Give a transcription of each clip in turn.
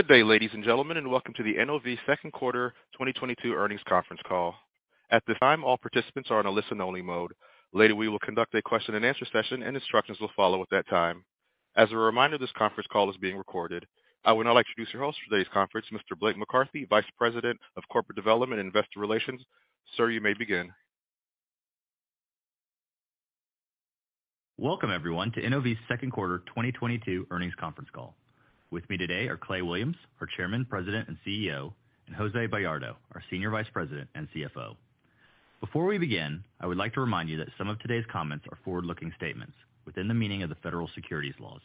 Good day, ladies and gentlemen, and welcome to the NOV Second Quarter 2022 Earnings Conference Call. At this time, all participants are in a listen-only mode. Later, we will conduct a question-and-answer session, and instructions will follow at that time. As a reminder, this conference call is being recorded. I would now like to introduce your host for today's conference, Mr. Blake McCarthy, Vice President of Corporate Development and Investor Relations. Sir, you may begin. Welcome everyone to NOV's Second Quarter 2022 Earnings Conference Call. With me today are Clay Williams, our Chairman, President, and CEO, and Jose Bayardo, our Senior Vice President and CFO. Before we begin, I would like to remind you that some of today's comments are forward-looking statements within the meaning of the federal securities laws.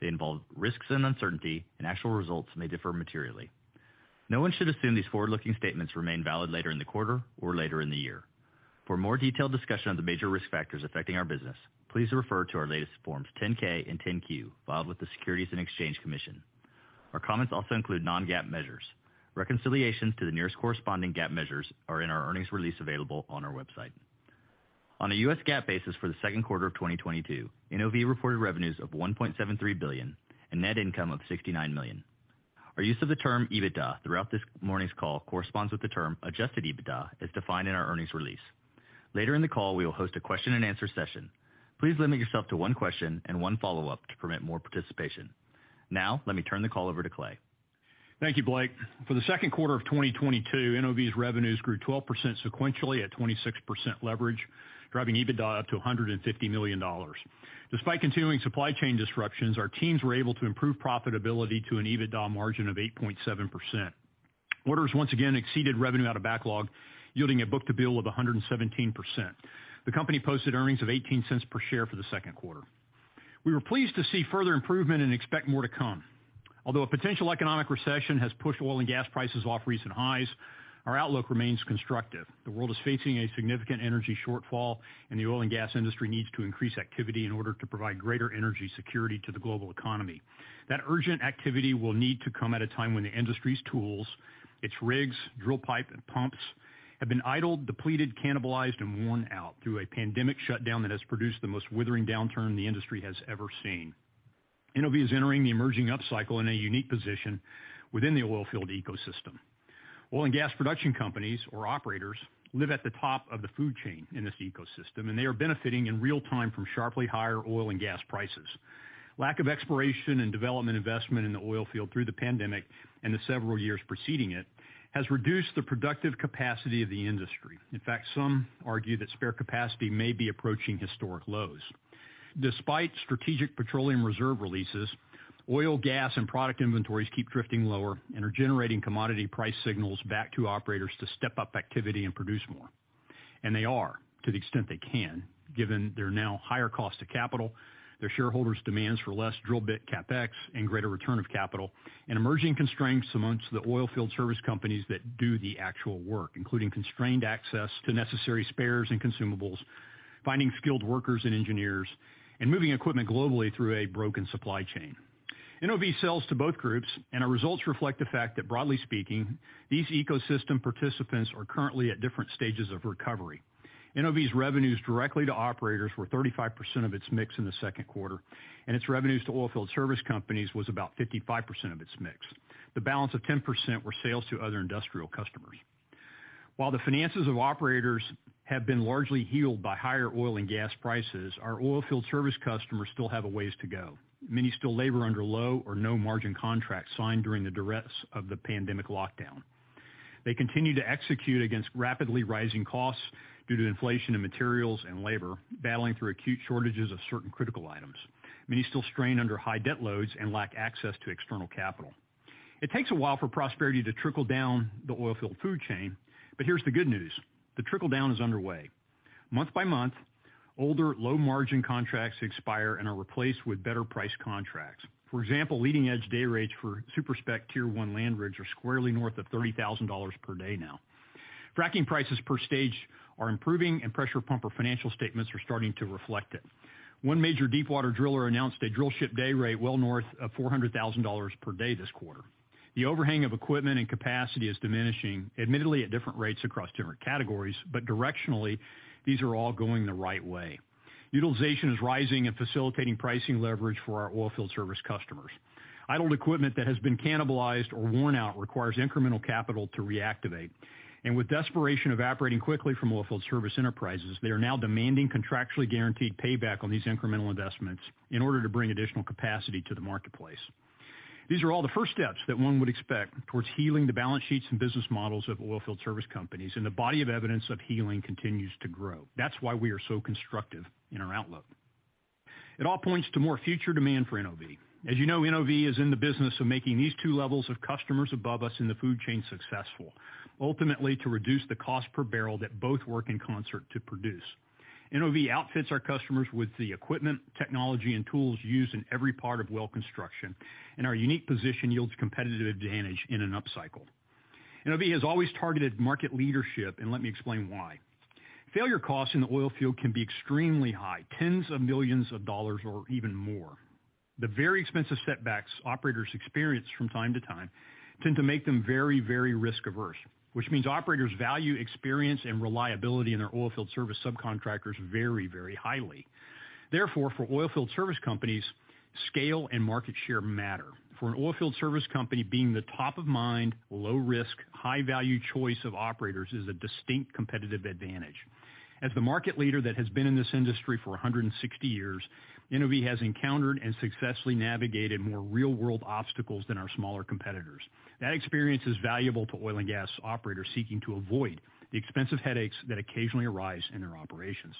They involve risks and uncertainty, and actual results may differ materially. No one should assume these forward-looking statements remain valid later in the quarter or later in the year. For more detailed discussion of the major risk factors affecting our business, please refer to our latest Form 10-K and 10-Q filed with the Securities and Exchange Commission. Our comments also include non-GAAP measures. Reconciliations to the nearest corresponding GAAP measures are in our earnings release available on our website. On a U.S. GAAP basis for the second quarter of 2022, NOV reported revenues of $1.73 billion and net income of $69 million. Our use of the term EBITDA throughout this morning's call corresponds with the term adjusted EBITDA as defined in our earnings release. Later in the call, we will host a question-and-answer session. Please limit yourself to one question and one follow-up to permit more participation. Now, let me turn the call over to Clay. Thank you, Blake. For the second quarter of 2022, NOV's revenues grew 12% sequentially at 26% leverage, driving EBITDA up to $150 million. Despite continuing supply chain disruptions, our teams were able to improve profitability to an EBITDA margin of 8.7%. Orders once again exceeded revenue out of backlog, yielding a book-to-bill of 117%. The company posted earnings of $0.18 per share for the second quarter. We were pleased to see further improvement and expect more to come. Although a potential economic recession has pushed oil and gas prices off recent highs, our outlook remains constructive. The world is facing a significant energy shortfall, and the oil and gas industry needs to increase activity in order to provide greater energy security to the global economy. That urgent activity will need to come at a time when the industry's tools, its rigs, drill pipe, and pumps have been idled, depleted, cannibalized, and worn out through a pandemic shutdown that has produced the most withering downturn the industry has ever seen. NOV is entering the emerging upcycle in a unique position within the oil field ecosystem. Oil and gas production companies or operators live at the top of the food chain in this ecosystem, and they are benefiting in real-time from sharply higher oil and gas prices. Lack of exploration and development investment in the oil field through the pandemic, and the several years preceding it, has reduced the productive capacity of the industry. In fact, some argue that spare capacity may be approaching historic lows. Despite strategic petroleum reserve releases, oil, gas, and product inventories keep drifting lower and are generating commodity price signals back to operators to step up activity and produce more. They are to the extent they can, given their now higher cost of capital, their shareholders' demands for less drill bit CapEx and greater return of capital, and emerging constraints amongst the oilfield service companies that do the actual work, including constrained access to necessary spares and consumables, finding skilled workers and engineers, and moving equipment globally through a broken supply chain. NOV sells to both groups, and our results reflect the fact that broadly speaking, these ecosystem participants are currently at different stages of recovery. NOV's revenues directly to operators were 35% of its mix in the second quarter, and its revenues to oilfield service companies was about 55% of its mix. The balance of 10% were sales to other industrial customers. While the finances of operators have been largely healed by higher oil and gas prices, our oilfield service customers still have a ways to go. Many still labor under low or no-margin contracts signed during the duress of the pandemic lockdown. They continue to execute against rapidly rising costs due to inflation in materials and labor, battling through acute shortages of certain critical items. Many still strain under high debt loads and lack access to external capital. It takes a while for prosperity to trickle down the oilfield food chain, but here's the good news: the trickle-down is underway. Month by month, older low-margin contracts expire and are replaced with better price contracts. For example, leading-edge day rates for super-spec tier one land rigs are squarely north of $30,000 per day now. Fracking prices per stage are improving, and pressure pumper financial statements are starting to reflect it. One major deepwater driller announced a drill ship day rate well north of $400,000 per day this quarter. The overhang of equipment and capacity is diminishing, admittedly at different rates across different categories, but directionally, these are all going the right way. Utilization is rising and facilitating pricing leverage for our oilfield service customers. Idled equipment that has been cannibalized or worn out requires incremental capital to reactivate. With desperation evaporating quickly from oilfield service enterprises, they are now demanding contractually guaranteed payback on these incremental investments in order to bring additional capacity to the marketplace. These are all the first steps that one would expect towards healing the balance sheets and business models of oilfield service companies, and the body of evidence of healing continues to grow. That's why we are so constructive in our outlook. It all points to more future demand for NOV. As you know, NOV is in the business of making these two levels of customers above us in the food chain successful, ultimately to reduce the cost per barrel that both work in concert to produce. NOV outfits our customers with the equipment, technology, and tools used in every part of well construction, and our unique position yields competitive advantage in an upcycle. NOV has always targeted market leadership, and let me explain why. Failure costs in the oil field can be extremely high, tens of millions of dollars or even more. The very expensive setbacks operators experience from time to time tend to make them very, very risk-averse, which means operators value experience and reliability in their oilfield service subcontractors very, very highly. Therefore, for oilfield service companies, scale and market share matter. For an oilfield service company, being the top-of-mind, low-risk, high-value choice of operators is a distinct competitive advantage. As the market leader that has been in this industry for 160 years, NOV has encountered and successfully navigated more real-world obstacles than our smaller competitors. That experience is valuable to oil and gas operators seeking to avoid the expensive headaches that occasionally arise in their operations.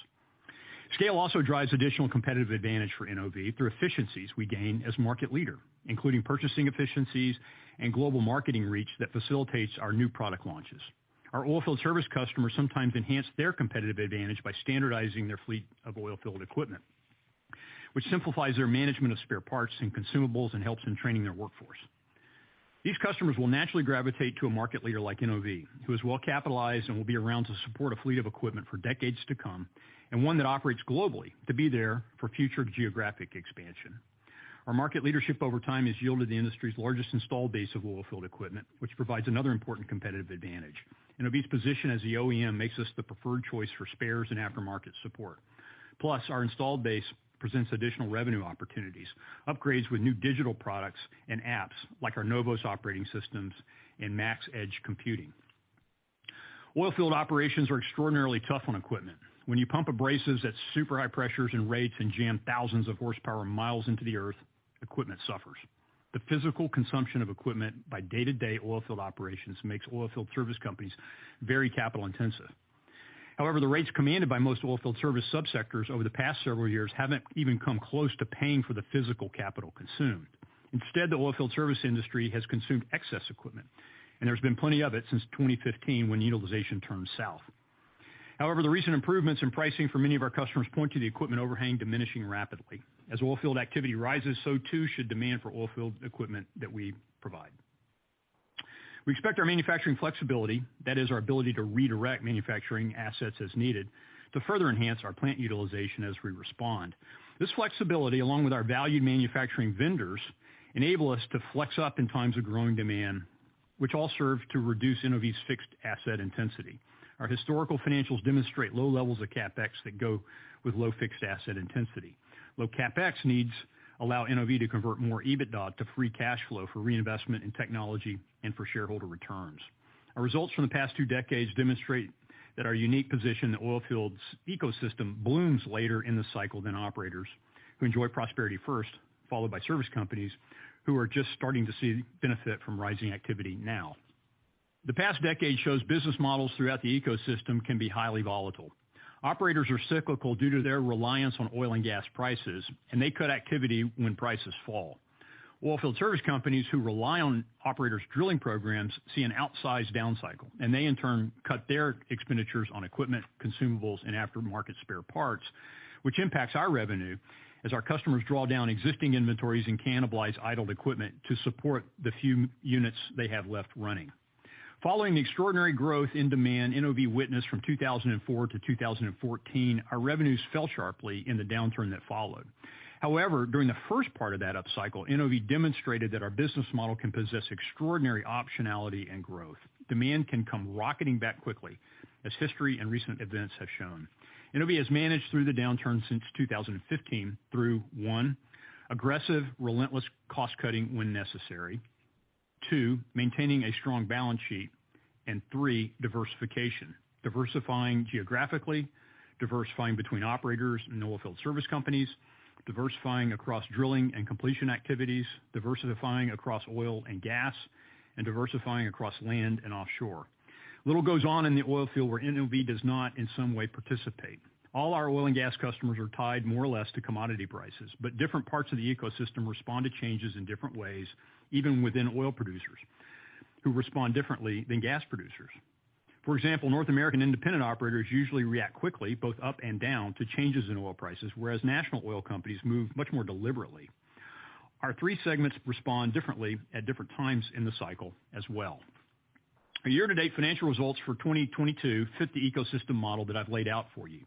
Scale also drives additional competitive advantage for NOV through efficiencies we gain as market leader, including purchasing efficiencies and global marketing reach that facilitates our new product launches. Our oilfield service customers sometimes enhance their competitive advantage by standardizing their fleet of oilfield equipment, which simplifies their management of spare parts and consumables and helps in training their workforce. These customers will naturally gravitate to a market leader like NOV, who is well-capitalized and will be around to support a fleet of equipment for decades to come, and one that operates globally to be there for future geographic expansion. Our market leadership over time has yielded the industry's largest installed base of oilfield equipment, which provides another important competitive advantage. NOV's position as the OEM makes us the preferred choice for spares and aftermarket support. Plus, our installed base presents additional revenue opportunities, upgrades with new digital products and apps like our NOVOS operating systems and Max Edge computing. Oilfield operations are extraordinarily tough on equipment. When you pump abrasives at super high pressures and rates and jam thousands of horsepower miles into the earth, equipment suffers. The physical consumption of equipment by day-to-day oilfield operations makes oilfield service companies very capital-intensive. However, the rates commanded by most oilfield service sub-sectors over the past several years haven't even come close to paying for the physical capital consumed. Instead, the oilfield service industry has consumed excess equipment, and there's been plenty of it since 2015 when utilization turned south. However, the recent improvements in pricing for many of our customers point to the equipment overhang diminishing rapidly. As oilfield activity rises, so too should demand for oilfield equipment that we provide. We expect our manufacturing flexibility, that is our ability to redirect manufacturing assets as needed, to further enhance our plant utilization as we respond. This flexibility, along with our valued manufacturing vendors, enable us to flex up in times of growing demand, which all serve to reduce NOV's fixed asset intensity. Our historical financials demonstrate low levels of CapEx that go with low fixed asset intensity. Low CapEx needs allow NOV to convert more EBITDA to free cash flow for reinvestment in technology and for shareholder returns. Our results from the past two decades demonstrate that our unique position in the oilfields ecosystem blooms later in the cycle than operators who enjoy prosperity first, followed by service companies who are just starting to see benefit from rising activity now. The past decade shows business models throughout the ecosystem can be highly volatile. Operators are cyclical due to their reliance on oil and gas prices, and they cut activity when prices fall. Oilfield service companies who rely on operators' drilling programs see an outsized down cycle, and they in turn cut their expenditures on equipment, consumables, and aftermarket spare parts, which impacts our revenue as our customers draw down existing inventories and cannibalize idled equipment to support the few units they have left running. Following the extraordinary growth in demand NOV witnessed from 2004 to 2014, our revenues fell sharply in the downturn that followed. However, during the first part of that upcycle, NOV demonstrated that our business model can possess extraordinary optionality and growth. Demand can come rocketing back quickly, as history and recent events have shown. NOV has managed through the downturn since 2015 through one, aggressive, relentless cost-cutting when necessary. Two, maintaining a strong balance sheet. And three, diversification. Diversifying geographically, diversifying between operators and oilfield service companies, diversifying across drilling and completion activities, diversifying across oil and gas, and diversifying across land and offshore. Little goes on in the oilfield where NOV does not in some way participate. All our oil and gas customers are tied more or less to commodity prices, but different parts of the ecosystem respond to changes in different ways, even within oil producers, who respond differently than gas producers. For example, North American independent operators usually react quickly, both up and down, to changes in oil prices, whereas national oil companies move much more deliberately. Our three segments respond differently at different times in the cycle as well. Our year-to-date financial results for 2022 fit the ecosystem model that I've laid out for you.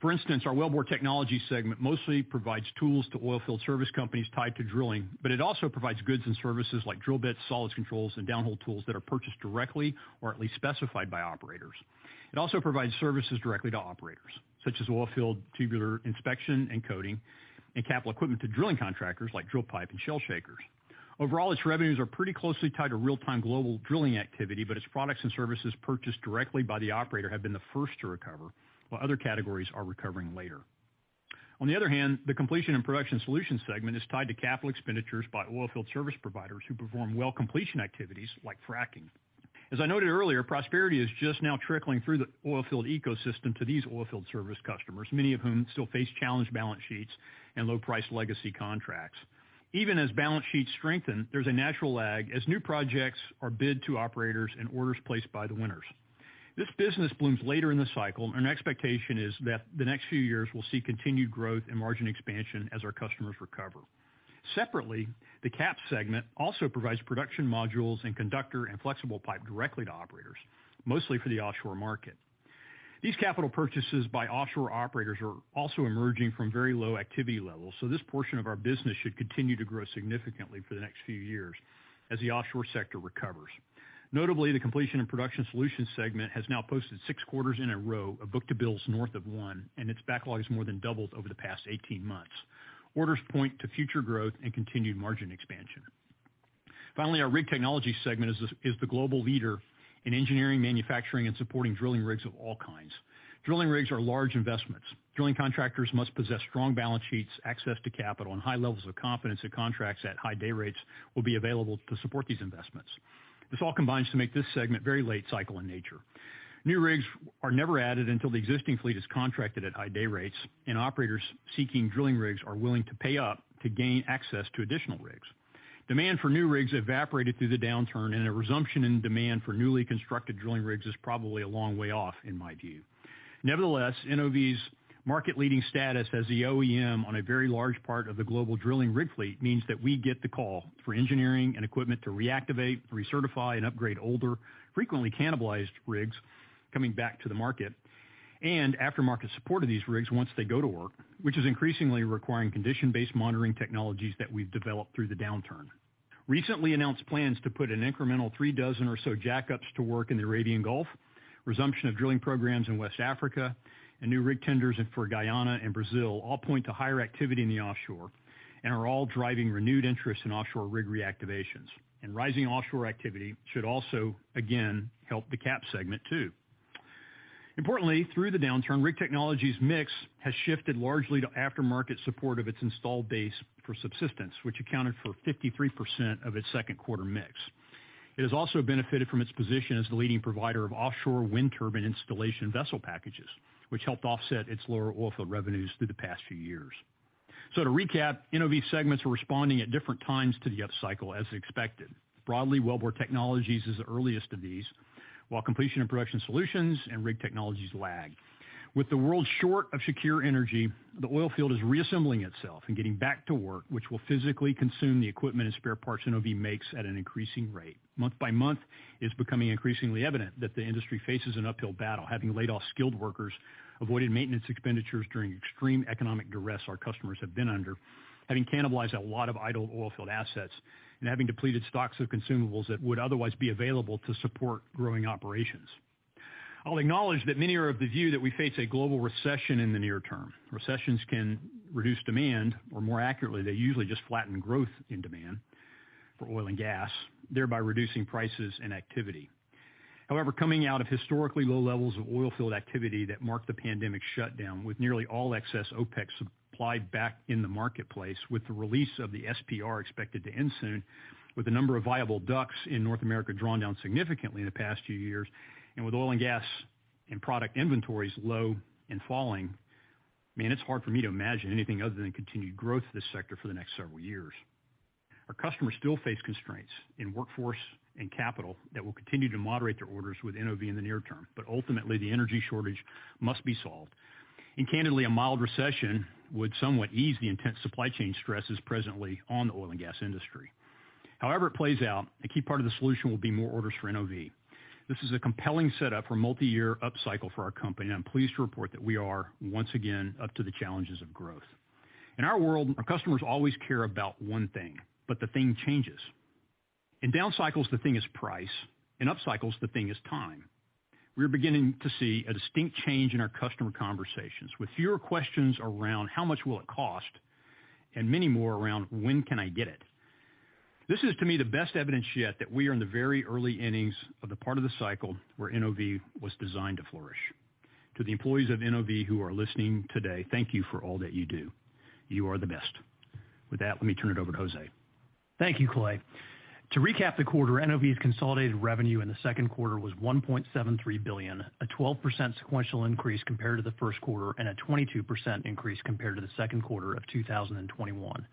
For instance, our Wellbore Technologies segment mostly provides tools to oilfield service companies tied to drilling, but it also provides goods and services like drill bits, solids controls, and downhole tools that are purchased directly or at least specified by operators. It also provides services directly to operators, such as oilfield tubular inspection and coating, and capital equipment to drilling contractors like drill pipe and shale shakers. Overall, its revenues are pretty closely tied to real-time global drilling activity, but its products and services purchased directly by the operator have been the first to recover, while other categories are recovering later. On the other hand, the Completion & Production Solutions segment is tied to capital expenditures by oilfield service providers who perform well-completion activities like fracking. As I noted earlier, prosperity is just now trickling through the oilfield ecosystem to these oilfield service customers, many of whom still face challenged balance sheets and low-priced legacy contracts. Even as balance sheets strengthen, there's a natural lag as new projects are bid to operators and orders placed by the winners. This business blooms later in the cycle, and our expectation is that the next few years will see continued growth and margin expansion as our customers recover. Separately, the C&P segment also provides production modules and conductor and flexible pipe directly to operators, mostly for the offshore market. These capital purchases by offshore operators are also emerging from very low activity levels, so this portion of our business should continue to grow significantly for the next few years as the offshore sector recovers. Notably, the Completion & Production Solutions segment has now posted six quarters in a row of book-to-bill north of one, and its backlog has more than doubled over the past 18 months. Orders point to future growth and continued margin expansion. Finally, our Rig Technologies segment is the global leader in engineering, manufacturing, and supporting drilling rigs of all kinds. Drilling rigs are large investments. Drilling contractors must possess strong balance sheets, access to capital, and high levels of confidence that contracts at high day rates will be available to support these investments. This all combines to make this segment very late cycle in nature. New rigs are never added until the existing fleet is contracted at high day rates, and operators seeking drilling rigs are willing to pay up to gain access to additional rigs. Demand for new rigs evaporated through the downturn, and a resumption in demand for newly constructed drilling rigs is probably a long way off in my view. Nevertheless, NOV's market-leading status as the OEM on a very large part of the global drilling rig fleet means that we get the call for engineering and equipment to reactivate, recertify, and upgrade older, frequently cannibalized rigs coming back to the market. Aftermarket support of these rigs once they go to work, which is increasingly requiring condition-based monitoring technologies that we've developed through the downturn. Recently announced plans to put an incremental three dozen or so jackups to work in the Arabian Gulf, resumption of drilling programs in West Africa, and new rig tenders for Guyana and Brazil all point to higher activity in the offshore and are all driving renewed interest in offshore rig reactivations. Rising offshore activity should also, again, help the C&P segment too. Importantly, through the downturn, Rig Technologies mix has shifted largely to aftermarket support of its installed base for subsistence, which accounted for 53% of its second quarter mix. It has also benefited from its position as the leading provider of offshore wind turbine installation vessel packages, which helped offset its lower oil field revenues through the past few years. To recap, NOV segments are responding at different times to the upcycle as expected. Broadly, Wellbore Technologies is the earliest of these, while Completion & Production Solutions and Rig Technologies lag. With the world short of secure energy, the oil field is reassembling itself and getting back to work, which will physically consume the equipment and spare parts NOV makes at an increasing rate. Month by month, it's becoming increasingly evident that the industry faces an uphill battle, having laid off skilled workers, avoided maintenance expenditures during extreme economic duress our customers have been under, having cannibalized a lot of idle oil field assets, and having depleted stocks of consumables that would otherwise be available to support growing operations. I'll acknowledge that many are of the view that we face a global recession in the near term. Recessions can reduce demand, or more accurately, they usually just flatten growth in demand for oil and gas, thereby reducing prices and activity. However, coming out of historically low levels of oil field activity that marked the pandemic shutdown, with nearly all excess OPEC supply back in the marketplace, with the release of the SPR expected to end soon, with the number of viable DUCs in North America drawn down significantly in the past few years, and with oil and gas and product inventories low and falling, man, it's hard for me to imagine anything other than continued growth in this sector for the next several years. Our customers still face constraints in workforce and capital that will continue to moderate their orders with NOV in the near term, but ultimately, the energy shortage must be solved. Candidly, a mild recession would somewhat ease the intense supply chain stresses presently on the oil and gas industry. However it plays out, a key part of the solution will be more orders for NOV. This is a compelling setup for a multi-year upcycle for our company. I'm pleased to report that we are, once again, up to the challenges of growth. In our world, our customers always care about one thing, but the thing changes. In down cycles, the thing is price. In up cycles, the thing is time. We're beginning to see a distinct change in our customer conversations with fewer questions around how much will it cost and many more around when can I get it. This is, to me, the best evidence yet that we are in the very early innings of the part of the cycle where NOV was designed to flourish. To the employees of NOV who are listening today, thank you for all that you do. You are the best. With that, let me turn it over to Jose. Thank you, Clay. To recap the quarter, NOV's consolidated revenue in the second quarter was $1.73 billion, a 12% sequential increase compared to the first quarter and a 22% increase compared to the second quarter of 2021.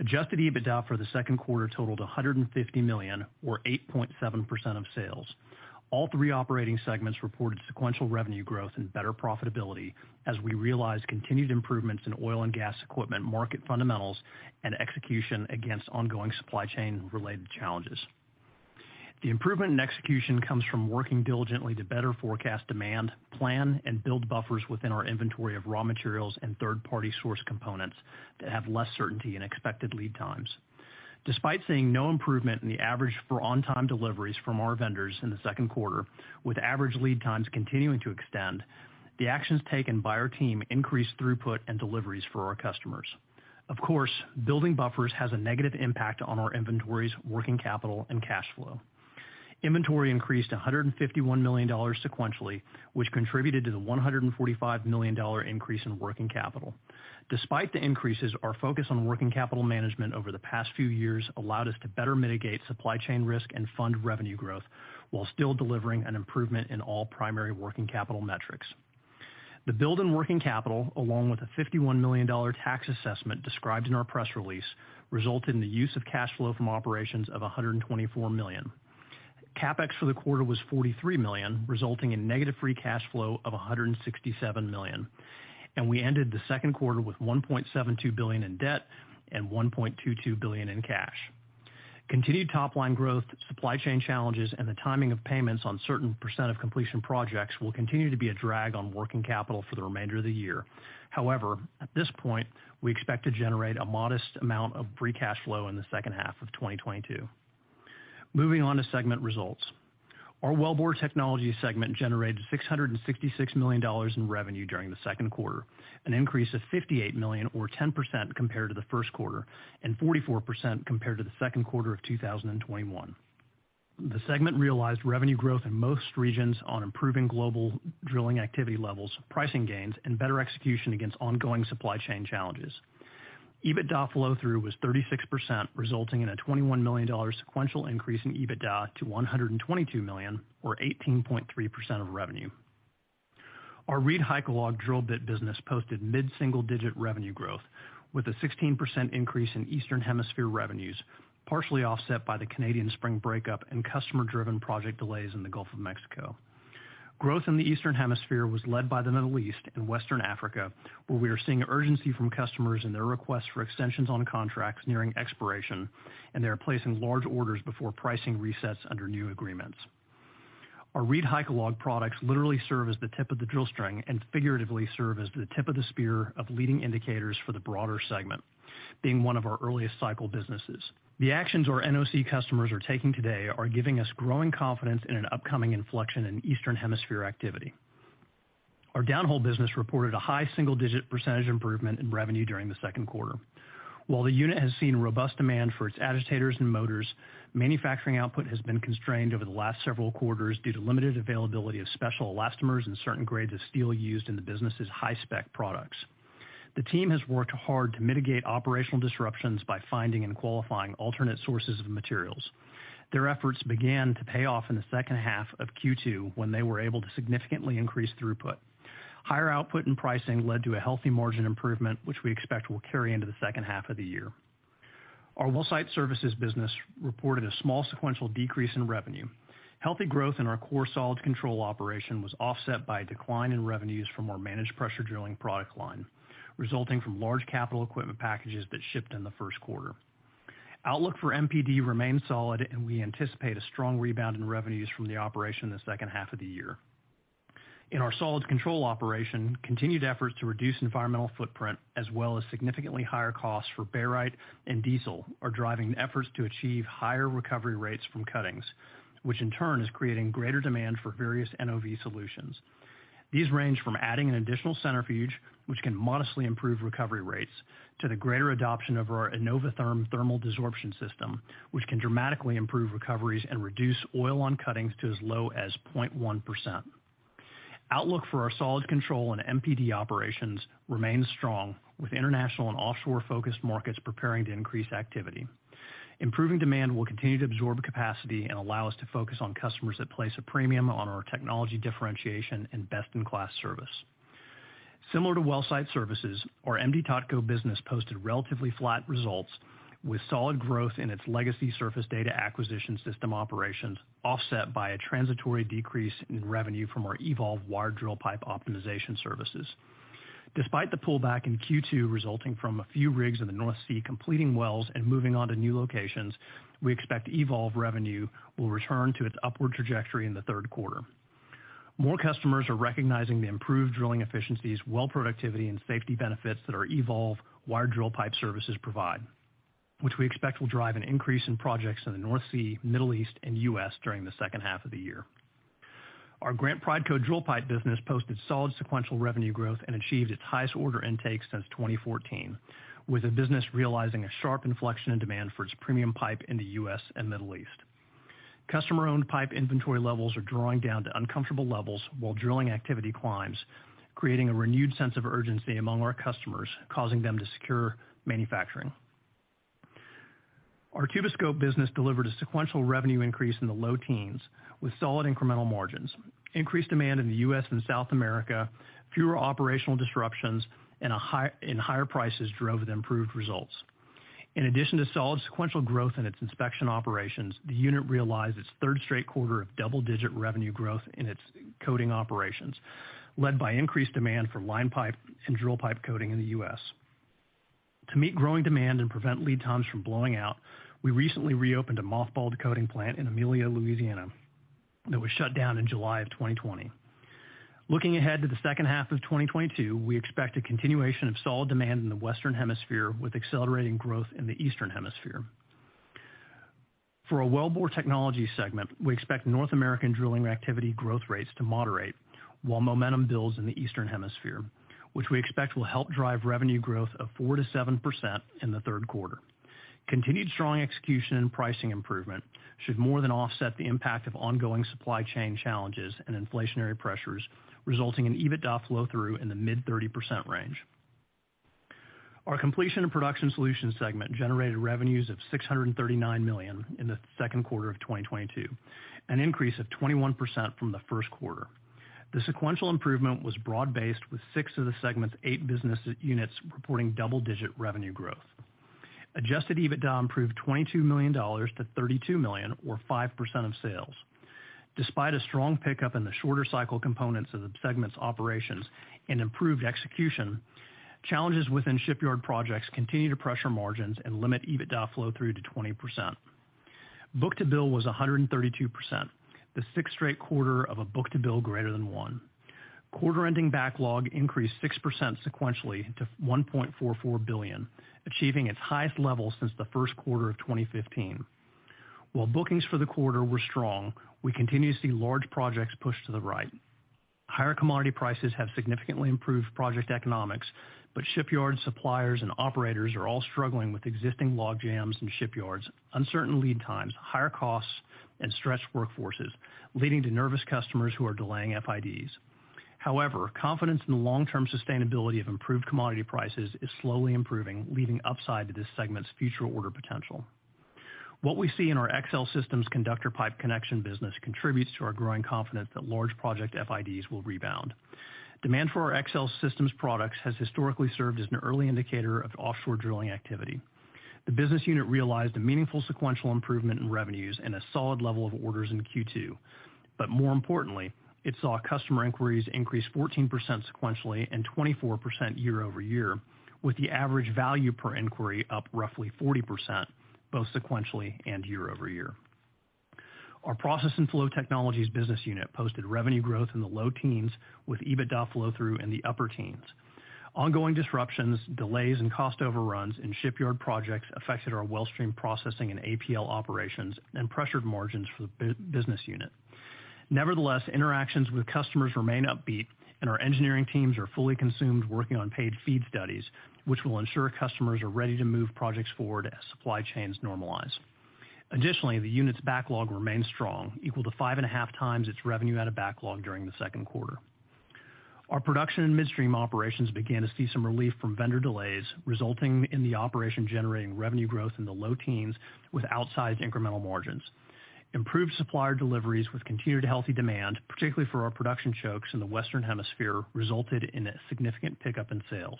Adjusted EBITDA for the second quarter totaled $150 million or 8.7% of sales. All three operating segments reported sequential revenue growth and better profitability as we realized continued improvements in oil and gas equipment market fundamentals and execution against ongoing supply chain-related challenges. The improvement in execution comes from working diligently to better forecast demand, plan, and build buffers within our inventory of raw materials and third-party source components that have less certainty in expected lead times. Despite seeing no improvement in the average for on-time deliveries from our vendors in the second quarter, with average lead times continuing to extend, the actions taken by our team increased throughput and deliveries for our customers. Of course, building buffers has a negative impact on our inventories, working capital, and cash flow. Inventory increased $151 million sequentially, which contributed to the $145 million increase in working capital. Despite the increases, our focus on working capital management over the past few years allowed us to better mitigate supply chain risk and fund revenue growth while still delivering an improvement in all primary working capital metrics. The build in working capital, along with a $51 million tax assessment described in our press release, resulted in the use of cash flow from operations of $124 million. CapEx for the quarter was $43 million, resulting in negative free cash flow of $167 million. We ended the second quarter with $1.72 billion in debt and $1.22 billion in cash. Continued top-line growth, supply chain challenges, and the timing of payments on certain percent of completion projects will continue to be a drag on working capital for the remainder of the year. However, at this point, we expect to generate a modest amount of free cash flow in the second half of 2022. Moving on to segment results. Our Wellbore Technologies segment generated $666 million in revenue during the second quarter, an increase of $58 million or 10% compared to the first quarter, and 44% compared to the second quarter of 2021. The segment realized revenue growth in most regions on improving global drilling activity levels, pricing gains, and better execution against ongoing supply chain challenges. EBITDA flow-through was 36%, resulting in a $21 million sequential increase in EBITDA to $122 million or 18.3% of revenue. Our ReedHycalog drill bit business posted mid-single-digit revenue growth with a 16% increase in Eastern Hemisphere revenues, partially offset by the Canadian spring breakup and customer-driven project delays in the Gulf of Mexico. Growth in the Eastern Hemisphere was led by the Middle East and Western Africa, where we are seeing urgency from customers in their requests for extensions on contracts nearing expiration, and they are placing large orders before pricing resets under new agreements. Our ReedHycalog products literally serve as the tip of the drill string and figuratively serve as the tip of the spear of leading indicators for the broader segment, being one of our earliest cycle businesses. The actions our NOC customers are taking today are giving us growing confidence in an upcoming inflection in Eastern Hemisphere activity. Our downhole business reported a high single-digit percentage improvement in revenue during the second quarter. While the unit has seen robust demand for its agitators and motors, manufacturing output has been constrained over the last several quarters due to limited availability of special elastomers and certain grades of steel used in the business' high-spec products. The team has worked hard to mitigate operational disruptions by finding and qualifying alternate sources of materials. Their efforts began to pay off in the second half of Q2, when they were able to significantly increase throughput. Higher output and pricing led to a healthy margin improvement, which we expect will carry into the second half of the year. Our well site services business reported a small sequential decrease in revenue. Healthy growth in our core solids control operation was offset by a decline in revenues from our managed pressure drilling product line, resulting from large capital equipment packages that shipped in the first quarter. Outlook for MPD remains solid, and we anticipate a strong rebound in revenues from the operation in the second half of the year. In our solids control operation, continued efforts to reduce environmental footprint, as well as significantly higher costs for barite and diesel are driving efforts to achieve higher recovery rates from cuttings, which in turn is creating greater demand for various NOV solutions. These range from adding an additional centrifuge, which can modestly improve recovery rates, to the greater adoption of our iNOVaTHERM thermal desorption system, which can dramatically improve recoveries and reduce oil on cuttings to as low as 0.1%. Outlook for our solids control and MPD operations remains strong, with international and offshore-focused markets preparing to increase activity. Improving demand will continue to absorb capacity and allow us to focus on customers that place a premium on our technology differentiation and best-in-class service. Similar to well site services, our M/D Totco business posted relatively flat results with solid growth in its legacy surface data acquisition system operations, offset by a transitory decrease in revenue from our eVolve wired drill pipe optimization services. Despite the pullback in Q2 resulting from a few rigs in the North Sea completing wells and moving on to new locations, we expect eVolve revenue will return to its upward trajectory in the third quarter. More customers are recognizing the improved drilling efficiencies, well productivity, and safety benefits that our eVolve wired drill pipe services provide, which we expect will drive an increase in projects in the North Sea, Middle East, and U.S. during the second half of the year. Our Grant Prideco drill pipe business posted solid sequential revenue growth and achieved its highest order intake since 2014, with the business realizing a sharp inflection in demand for its premium pipe in the U.S. and Middle East. Customer-owned pipe inventory levels are drawing down to uncomfortable levels while drilling activity climbs, creating a renewed sense of urgency among our customers, causing them to secure manufacturing. Our Tuboscope business delivered a sequential revenue increase in the low teens with solid incremental margins. Increased demand in the U.S. And South America, fewer operational disruptions, and higher prices drove the improved results. In addition to solid sequential growth in its inspection operations, the unit realized its third straight quarter of double-digit revenue growth in its coating operations, led by increased demand for line pipe and drill pipe coating in the U.S.. To meet growing demand and prevent lead times from blowing out, we recently reopened a mothballed coating plant in Amelia, Louisiana, that was shut down in July of 2020. Looking ahead to the second half of 2022, we expect a continuation of solid demand in the Western Hemisphere, with accelerating growth in the Eastern Hemisphere. For our Wellbore Technologies segment, we expect North American drilling activity growth rates to moderate while momentum builds in the Eastern Hemisphere, which we expect will help drive revenue growth of 4%-7% in the third quarter. Continued strong execution and pricing improvement should more than offset the impact of ongoing supply chain challenges and inflationary pressures, resulting in EBITDA flow through in the mid-30% range. Our Completion & Production Solutions segment generated revenues of $639 million in the second quarter of 2022, an increase of 21% from the first quarter. The sequential improvement was broad-based, with six of the segment's eight business units reporting double-digit revenue growth. Adjusted EBITDA improved $22 million to $32 million, or 5% of sales. Despite a strong pickup in the shorter cycle components of the segment's operations and improved execution, challenges within shipyard projects continue to pressure margins and limit EBITDA flow-through to 20%. Book-to-bill was 132%, the sixth straight quarter of a book-to-bill greater than one. Quarter-ending backlog increased 6% sequentially to $1.44 billion, achieving its highest level since the first quarter of 2015. While bookings for the quarter were strong, we continue to see large projects pushed to the right. Higher commodity prices have significantly improved project economics, but shipyard suppliers and operators are all struggling with existing logjams in shipyards, uncertain lead times, higher costs, and stretched workforces, leading to nervous customers who are delaying FIDs. However, confidence in the long-term sustainability of improved commodity prices is slowly improving, leaving upside to this segment's future order potential. What we see in our XL Systems conductor pipe connection business contributes to our growing confidence that large project FIDs will rebound. Demand for our XL Systems products has historically served as an early indicator of offshore drilling activity. The business unit realized a meaningful sequential improvement in revenues and a solid level of orders in Q2. More importantly, it saw customer inquiries increase 14% sequentially and 24% year-over-year, with the average value per inquiry up roughly 40%, both sequentially and year-over-year. Our Process and Flow Technologies business unit posted revenue growth in the low teens, with EBITDA flow-through in the upper teens. Ongoing disruptions, delays, and cost overruns in shipyard projects affected our wellstream processing and APL operations and pressured margins for the business unit. Nevertheless, interactions with customers remain upbeat, and our engineering teams are fully consumed working on paid feed studies, which will ensure customers are ready to move projects forward as supply chains normalize. Additionally, the unit's backlog remains strong, equal to 5.5x its revenue out of backlog during the second quarter. Our production and midstream operations began to see some relief from vendor delays, resulting in the operation generating revenue growth in the low teens with outsized incremental margins. Improved supplier deliveries with continued healthy demand, particularly for our production chokes in the Western Hemisphere, resulted in a significant pickup in sales.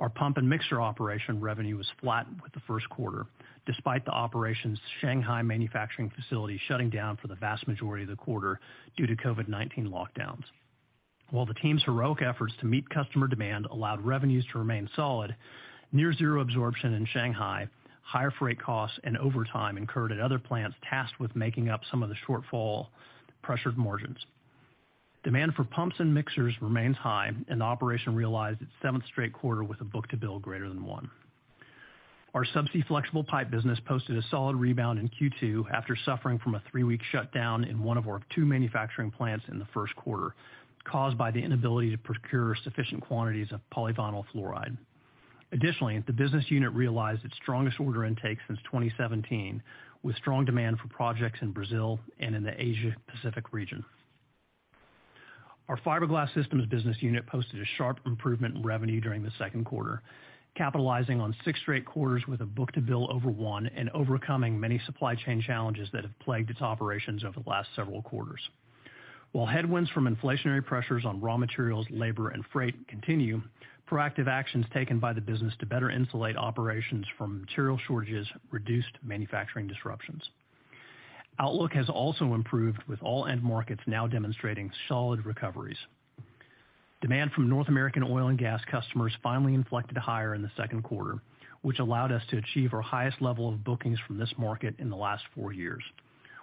Our pump and mixer operation revenue was flat with the first quarter, despite the operation's Shanghai manufacturing facility shutting down for the vast majority of the quarter due to COVID-19 lockdowns. While the team's heroic efforts to meet customer demand allowed revenues to remain solid, near zero absorption in Shanghai, higher freight costs and overtime incurred at other plants tasked with making up some of the shortfall pressured margins. Demand for pumps and mixers remains high, and the operation realized its seventh straight quarter with a book-to-bill greater than one. Our subsea flexible pipe business posted a solid rebound in Q2 after suffering from a three-week shutdown in one of our two manufacturing plants in the first quarter, caused by the inability to procure sufficient quantities of polyvinyl fluoride. Additionally, the business unit realized its strongest order intake since 2017, with strong demand for projects in Brazil and in the Asia Pacific region. Our Fiberglass Systems business unit posted a sharp improvement in revenue during the second quarter, capitalizing on six straight quarters with a book-to-bill over one and overcoming many supply chain challenges that have plagued its operations over the last several quarters. While headwinds from inflationary pressures on raw materials, labor, and freight continue, proactive actions taken by the business to better insulate operations from material shortages reduced manufacturing disruptions. Outlook has also improved with all end markets now demonstrating solid recoveries. Demand from North American oil and gas customers finally inflected higher in the second quarter, which allowed us to achieve our highest level of bookings from this market in the last four years.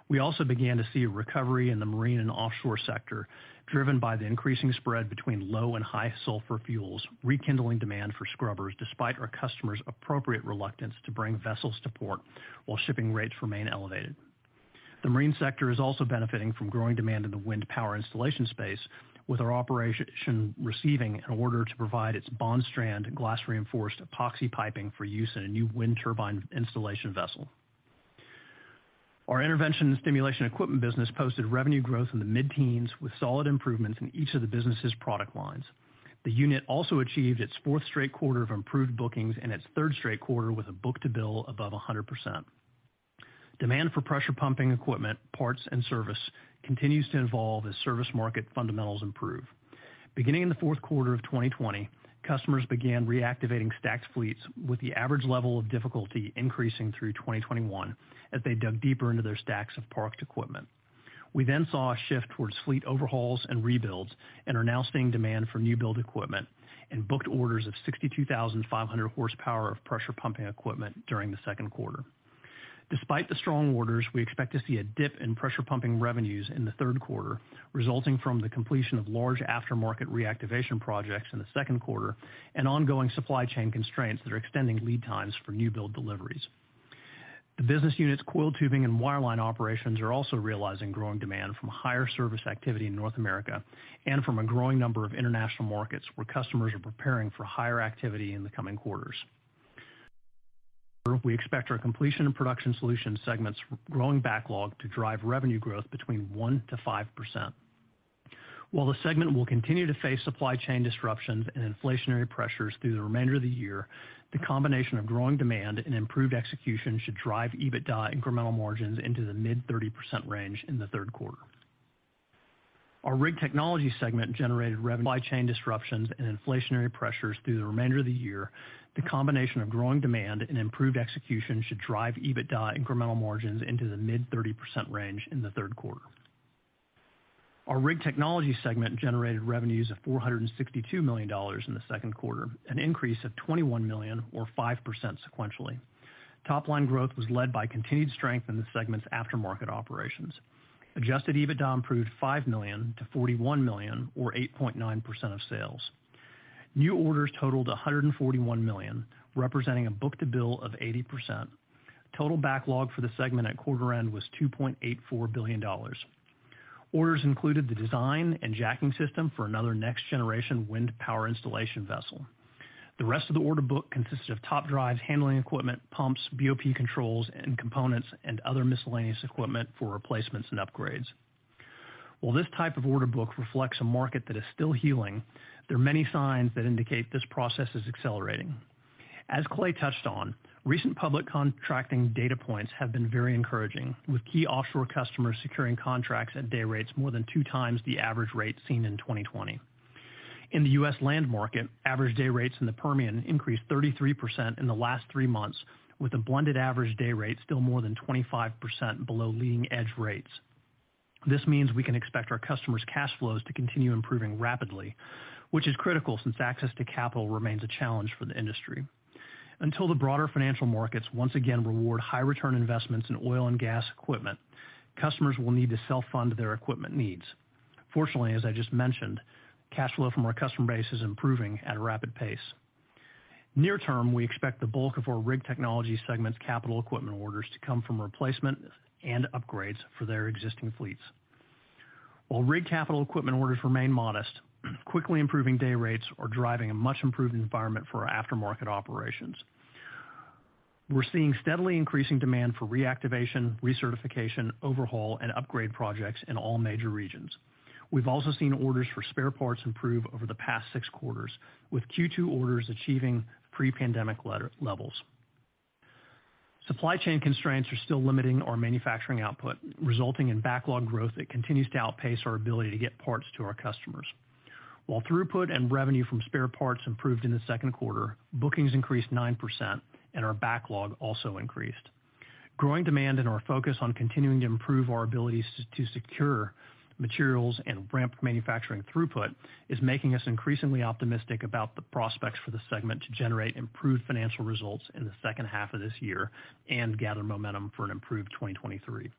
We also began to see a recovery in the marine and offshore sector, driven by the increasing spread between low and high-sulfur fuels, rekindling demand for scrubbers despite our customers' appropriate reluctance to bring vessels to port while shipping rates remain elevated. The marine sector is also benefiting from growing demand in the wind power installation space, with our operation receiving an order to provide its Bondstrand glass-reinforced epoxy piping for use in a new wind turbine installation vessel. Our intervention and stimulation equipment business posted revenue growth in the mid-teens, with solid improvements in each of the business's product lines. The unit also achieved its fourth straight quarter of improved bookings and its third straight quarter with a book-to-bill above 100%. Demand for pressure pumping equipment, parts, and service continues to evolve as service market fundamentals improve. Beginning in the fourth quarter of 2020, customers began reactivating stacked fleets with the average level of difficulty increasing through 2021 as they dug deeper into their stacks of parked equipment. We saw a shift towards fleet overhauls and rebuilds and are now seeing demand for new build equipment and booked orders of 62,500 horsepower of pressure pumping equipment during the second quarter. Despite the strong orders, we expect to see a dip in pressure pumping revenues in the third quarter, resulting from the completion of large aftermarket reactivation projects in the second quarter and ongoing supply chain constraints that are extending lead times for new build deliveries. The business unit's coiled tubing and wireline operations are also realizing growing demand from higher service activity in North America and from a growing number of international markets where customers are preparing for higher activity in the coming quarters. We expect our Completion & Production Solutions segment's growing backlog to drive revenue growth between 1%-5%. While the segment will continue to face supply chain disruptions and inflationary pressures through the remainder of the year, the combination of growing demand and improved execution should drive EBITDA incremental margins into the mid-30% range in the third quarter. Our Rig Technologies segment generated revenue. Our Rig Technologies segment generated revenues of $462 million in the second quarter, an increase of $21 million or 5% sequentially. Topline growth was led by continued strength in the segment's aftermarket operations. Adjusted EBITDA improved $5 million to $41 million or 8.9% of sales. New orders totaled $141 million, representing a book-to-bill of 80%. Total backlog for the segment at quarter end was $2.84 billion. Orders included the design and jacking system for another next-generation wind power installation vessel. The rest of the order book consisted of top drives, handling equipment, pumps, BOP controls and components, and other miscellaneous equipment for replacements and upgrades. While this type of order book reflects a market that is still healing, there are many signs that indicate this process is accelerating. As Clay touched on, recent public contracting data points have been very encouraging, with key offshore customers securing contracts at day rates more than 2x the average rate seen in 2020. In the U.S. land market, average day rates in the Permian increased 33% in the last three months, with a blended average day rate still more than 25% below leading-edge rates. This means we can expect our customers' cash flows to continue improving rapidly, which is critical since access to capital remains a challenge for the industry. Until the broader financial markets once again reward high-return investments in oil and gas equipment, customers will need to self-fund their equipment needs. Fortunately, as I just mentioned, cash flow from our customer base is improving at a rapid pace. Near term, we expect the bulk of our Rig Technologies segment's capital equipment orders to come from replacement and upgrades for their existing fleets. While rig capital equipment orders remain modest, quickly improving day rates are driving a much-improved environment for our aftermarket operations. We're seeing steadily increasing demand for reactivation, recertification, overhaul, and upgrade projects in all major regions. We've also seen orders for spare parts improve over the past six quarters, with Q2 orders achieving pre-pandemic levels. Supply chain constraints are still limiting our manufacturing output, resulting in backlog growth that continues to outpace our ability to get parts to our customers. While throughput and revenue from spare parts improved in the second quarter, bookings increased 9% and our backlog also increased. Growing demand and our focus on continuing to improve our abilities to secure materials and ramp manufacturing throughput is making us increasingly optimistic about the prospects for the segment to generate improved financial results in the second half of this year and gather momentum for an improved 2023.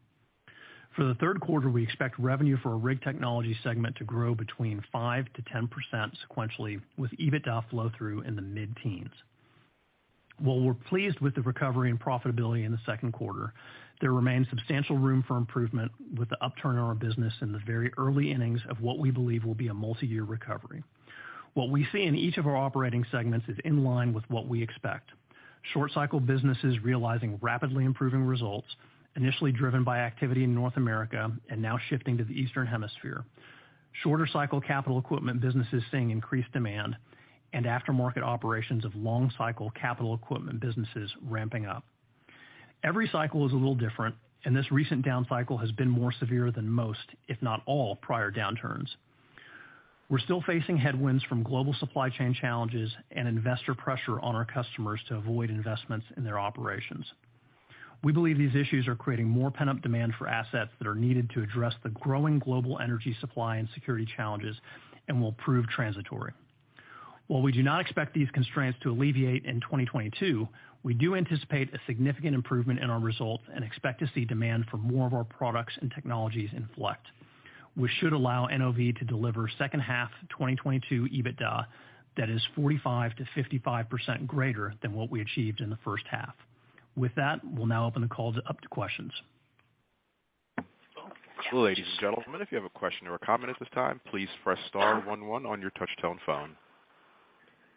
For the third quarter, we expect revenue for our Rig Technologies segment to grow between 5%-10% sequentially, with EBITDA flow through in the mid-teens. While we're pleased with the recovery and profitability in the second quarter, there remains substantial room for improvement with the upturn in our business in the very early innings of what we believe will be a multi-year recovery. What we see in each of our operating segments is in line with what we expect. Short-cycle businesses realizing rapidly improving results, initially driven by activity in North America and now shifting to the Eastern Hemisphere. Shorter cycle capital equipment businesses seeing increased demand and aftermarket operations of long cycle capital equipment businesses ramping up. Every cycle is a little different, and this recent down cycle has been more severe than most, if not all, prior downturns. We're still facing headwinds from global supply chain challenges and investor pressure on our customers to avoid investments in their operations. We believe these issues are creating more pent-up demand for assets that are needed to address the growing global energy supply and security challenges and will prove transitory. While we do not expect these constraints to alleviate in 2022, we do anticipate a significant improvement in our results and expect to see demand for more of our products and technologies inflect, which should allow NOV to deliver second-half 2022 EBITDA that is 45%-55% greater than what we achieved in the first half. With that, we'll now open the call up to questions. Ladies and gentlemen, if you have a question or a comment at this time, please press star one one on your touchtone phone.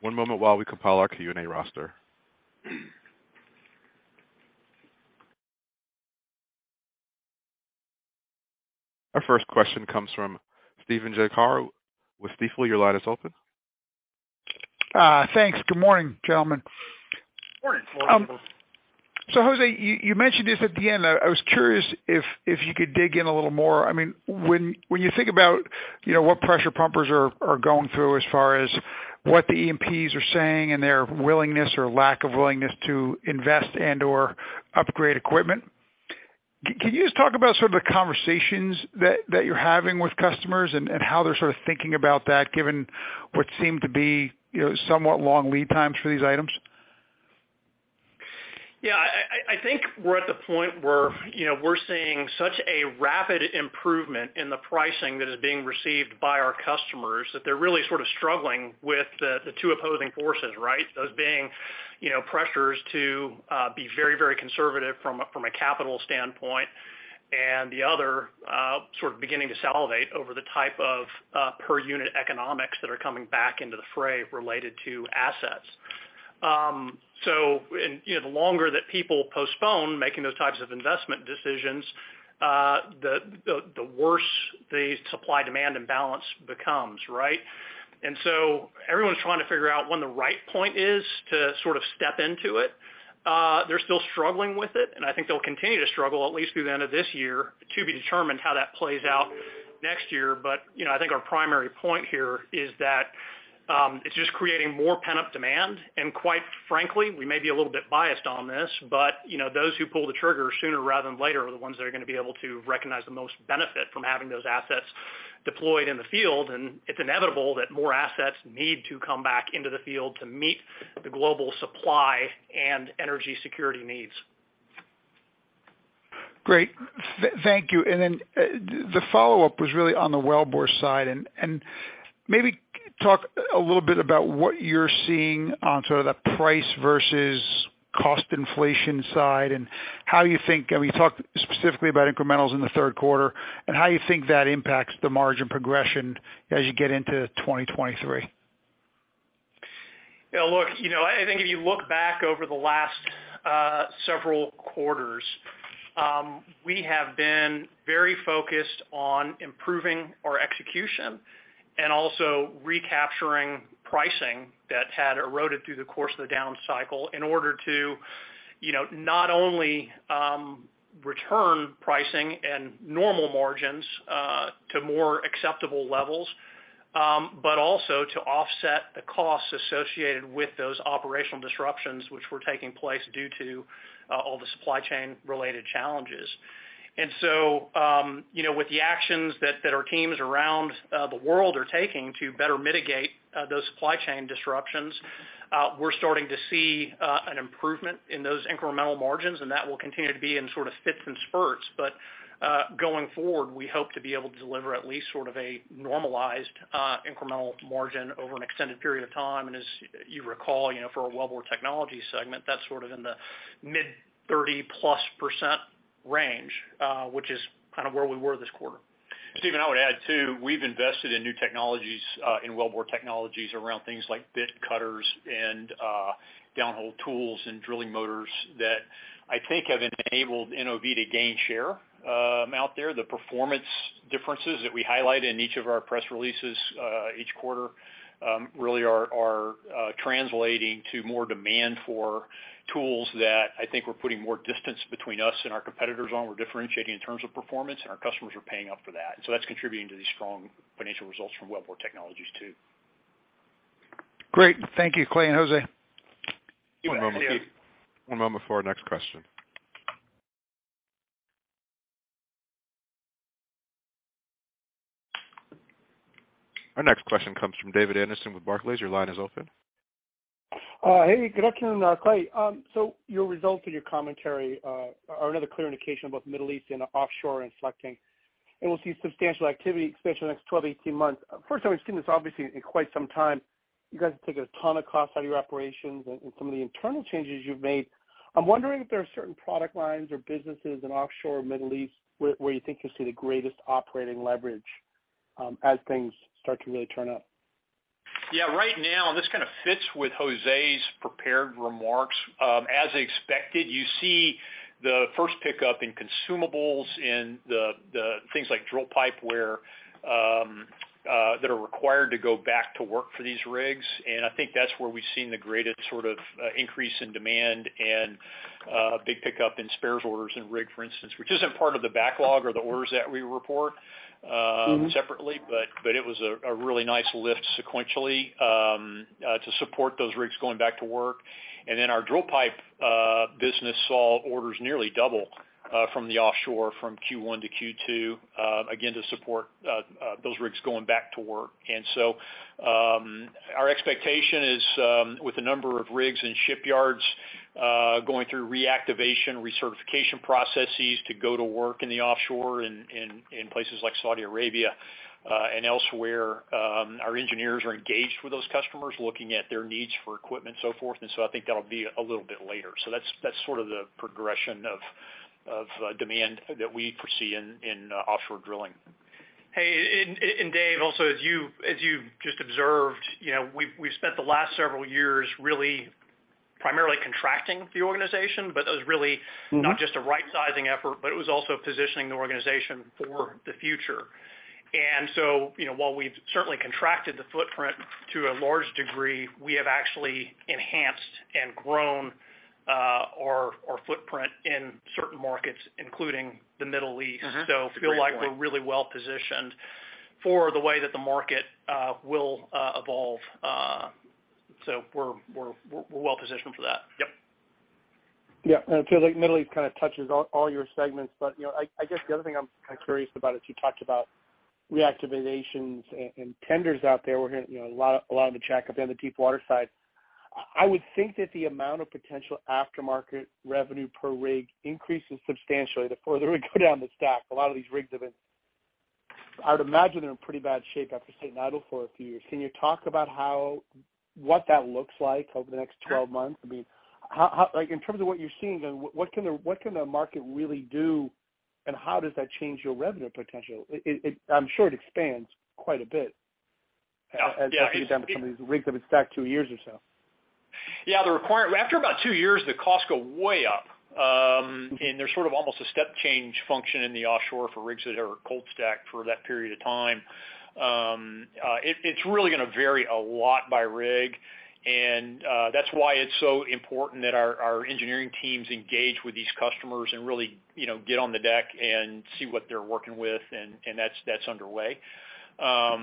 One moment while we compile our Q&A roster. Our first question comes from Stephen Gengaro with Stifel. Your line is open. Thanks. Good morning, gentlemen. Morning. Morning. Jose, you mentioned this at the end. I was curious if you could dig in a little more. I mean, when you think about, you know, what pressure pumpers are going through as far as what the E&Ps are saying and their willingness or lack of willingness to invest and/or upgrade equipment, can you just talk about sort of the conversations that you're having with customers and how they're sort of thinking about that, given what seemed to be, you know, somewhat long lead times for these items? Yeah. I think we're at the point where, you know, we're seeing such a rapid improvement in the pricing that is being received by our customers, that they're really sort of struggling with the two opposing forces, right? Those being, you know, pressures to be very conservative from a capital standpoint, and the other sort of beginning to salivate over the type of per unit economics that are coming back into the fray related to assets. You know, the longer that people postpone making those types of investment decisions, the worse the supply-demand imbalance becomes, right? Everyone's trying to figure out when the right point is to sort of step into it. They're still struggling with it, and I think they'll continue to struggle at least through the end of this year to be determined how that plays out next year. You know, I think our primary point here is that, it's just creating more pent-up demand. Quite frankly, we may be a little bit biased on this, but, you know, those who pull the trigger sooner rather than later are the ones that are gonna be able to recognize the most benefit from having those assets deployed in the field. It's inevitable that more assets need to come back into the field to meet the global supply and energy security needs. Great. Thank you. The follow-up was really on the wellbore side. Maybe talk a little bit about what you're seeing on sort of the price versus cost inflation side. Can we talk specifically about incrementals in the third quarter and how you think that impacts the margin progression as you get into 2023? Yeah. Look, you know, I think if you look back over the last several quarters, we have been very focused on improving our execution and also recapturing pricing that had eroded through the course of the down cycle in order to, you know, not only return pricing and normal margins to more acceptable levels, but also to offset the costs associated with those operational disruptions which were taking place due to all the supply chain related challenges. With the actions that our teams around the world are taking to better mitigate those supply chain disruptions, we're starting to see an improvement in those incremental margins, and that will continue to be in sort of fits and spurts. Going forward, we hope to be able to deliver at least sort of a normalized, incremental margin over an extended period of time. As you recall, you know, for our Wellbore Technologies segment, that's sort of in the mid-30%+ range, which is kind of where we were this quarter. Stephen, I would add, too, we've invested in new technologies in Wellbore Technologies around things like bit cutters and downhole tools and drilling motors that I think have enabled NOV to gain share out there. The performance differences that we highlight in each of our press releases each quarter really are translating to more demand for tools that I think we're putting more distance between us and our competitors on. We're differentiating in terms of performance, and our customers are paying up for that. That's contributing to these strong financial results from Wellbore Technologies too. Great. Thank you, Clay and Jose. You bet. Yeah. One moment, please. One moment before our next question. Our next question comes from David Anderson with Barclays. Your line is open. Hey, good afternoon, Clay. Your results and your commentary are another clear indication of both Middle East and offshore inflecting, and we'll see substantial activity especially in the next 12-18 months. First time we've seen this obviously in quite some time. You guys have taken a ton of costs out of your operations and some of the internal changes you've made. I'm wondering if there are certain product lines or businesses in offshore Middle East where you think you'll see the greatest operating leverage as things start to really turn up. Yeah. Right now, this kind of fits with Jose's prepared remarks. As expected, you see the first pickup in consumables in the things like drill pipe where that are required to go back to work for these rigs. I think that's where we've seen the greatest sort of increase in demand and big pickup in spares orders and rig, for instance, which isn't part of the backlog or the orders that we report, separately. Mm-hmm. It was a really nice lift sequentially to support those rigs going back to work. Our drill pipe business saw orders nearly double from offshore from Q1 to Q2, again, to support those rigs going back to work. Our expectation is with the number of rigs and shipyards going through reactivation, recertification processes to go to work in the offshore in places like Saudi Arabia and elsewhere, our engineers are engaged with those customers, looking at their needs for equipment so forth. I think that'll be a little bit later. That's sort of the progression of demand that we foresee in offshore drilling. Hey, Dave also as you just observed, you know, we've spent the last several years really primarily contracting the organization, but it was really. Mm-hmm... not just a right-sizing effort, but it was also positioning the organization for the future. You know, while we've certainly contracted the footprint to a large degree, we have actually enhanced and grown our footprint in certain markets, including the Middle East. Mm-hmm. That's a great point. Feel like we're really well positioned for the way that the market will evolve. We're well-positioned for that. Yep. Yeah. It feels like Middle East kind of touches all your segments. You know, I guess the other thing I'm kind of curious about is you talked about reactivations and tenders out there. We're hearing, you know, a lot of the checkup on the deepwater side. I would think that the amount of potential aftermarket revenue per rig increases substantially the further we go down the stack. A lot of these rigs have been. I would imagine they're in pretty bad shape after sitting idle for a few years. Can you talk about how, what that looks like over the next 12 months? I mean, how. Like, in terms of what you're seeing, then what can the market really do, and how does that change your revenue potential? I'm sure it expands quite a bit. Yeah. Yeah As you get down to some of these rigs that have been stacked two years or so. After about two years, the costs go way up. There's sort of almost a step change function in the offshore for rigs that are cold stacked for that period of time. It's really gonna vary a lot by rig. That's why it's so important that our engineering teams engage with these customers and really, you know, get on the deck and see what they're working with, and that's underway. The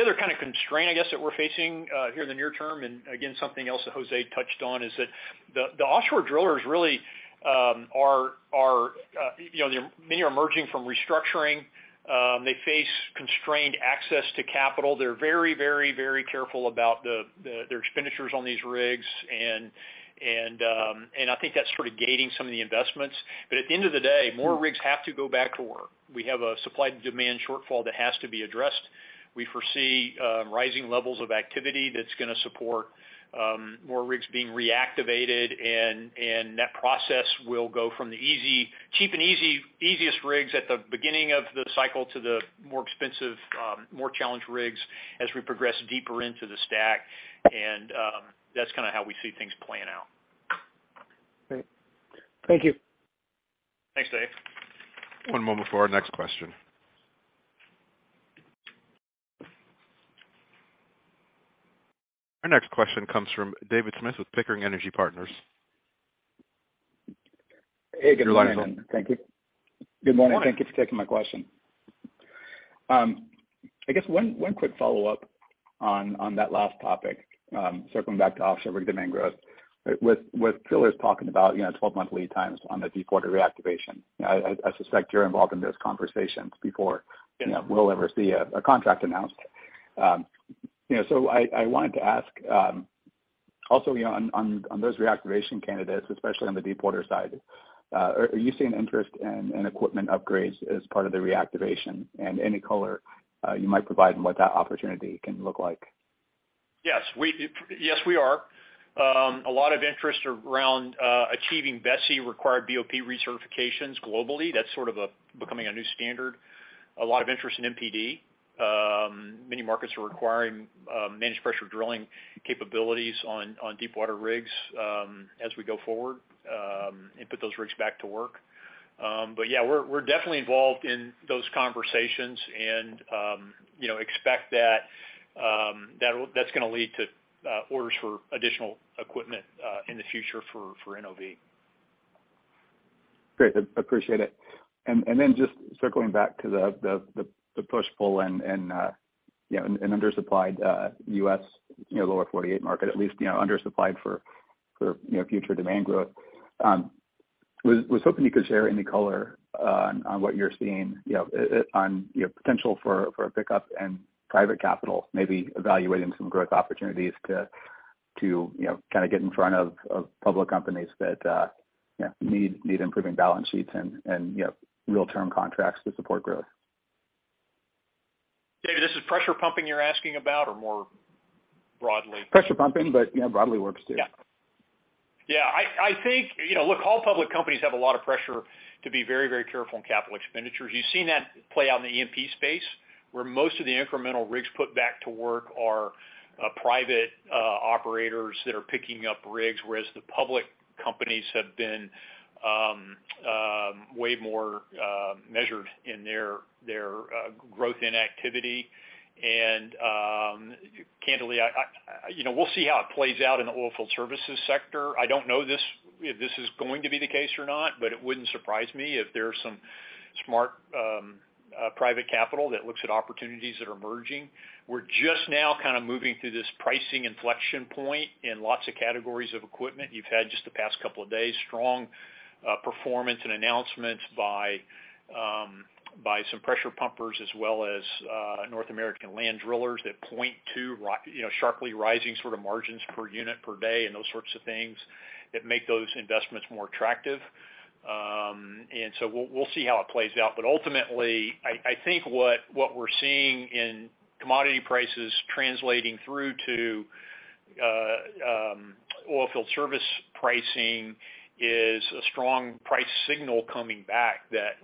other kind of constraint, I guess, that we're facing here in the near term, and again, something else that Jose touched on, is that the offshore drillers really are, you know, many are emerging from restructuring. They face constrained access to capital. They're very careful about their expenditures on these rigs and I think that's sort of gating some of the investments. At the end of the day, more rigs have to go back to work. We have a supply and demand shortfall that has to be addressed. We foresee rising levels of activity that's gonna support more rigs being reactivated, and that process will go from the easy, cheap and easy, easiest rigs at the beginning of the cycle to the more expensive, more challenged rigs as we progress deeper into the stack. That's kind of how we see things playing out. Great. Thank you. Thanks, Dave. One moment for our next question. Our next question comes from David Smith with Pickering Energy Partners. Hey, good morning. Your line is open. Thank you. Good morning. Good morning. Thank you for taking my question. I guess one quick follow-up on that last topic, circling back to offshore rig demand growth. With what Phil is talking about, you know, 12-month lead times on the deepwater reactivation. I suspect you're involved in those conversations before- Yeah. You know, will we ever see a contract announced. You know, I wanted to ask, also, you know, on those reactivation candidates, especially on the deepwater side, are you seeing interest in equipment upgrades as part of the reactivation and any color you might provide on what that opportunity can look like? Yes, we are. A lot of interest around achieving BSEE required BOP recertifications globally. That's sort of becoming a new standard. A lot of interest in MPD. Many markets are requiring managed pressure drilling capabilities on deepwater rigs as we go forward and put those rigs back to work. Yeah, we're definitely involved in those conversations and you know, expect that that's gonna lead to orders for additional equipment in the future for NOV. Great. Appreciate it. Then just circling back to the push-pull and you know an undersupplied U.S. you know lower 48 market at least you know undersupplied for you know future demand growth. Was hoping you could share any color on what you're seeing you know on you know potential for a pickup and private capital maybe evaluating some growth opportunities to you know kind of get in front of public companies that you know need improving balance sheets and you know long-term contracts to support growth. David, this is pressure pumping you're asking about or more broadly? Pressure pumping, you know, broadly works, too. Yeah. Yeah. I think, you know, look, all public companies have a lot of pressure to be very, very careful on capital expenditures. You've seen that play out in the E&P space, where most of the incremental rigs put back to work are private operators that are picking up rigs, whereas the public companies have been way more measured in their growth in activity. Candidly, I you know, we'll see how it plays out in the oilfield services sector. I don't know if this is going to be the case or not, but it wouldn't surprise me if there are some smart private capital that looks at opportunities that are emerging. We're just now kind of moving through this pricing inflection point in lots of categories of equipment. You've had just the past couple of days, strong performance and announcements by some pressure pumpers as well as North American land drillers that point to you know, sharply rising sort of margins per unit per day and those sorts of things that make those investments more attractive. We'll see how it plays out. Ultimately, I think what we're seeing in commodity prices translating through to oilfield service pricing is a strong price signal coming back that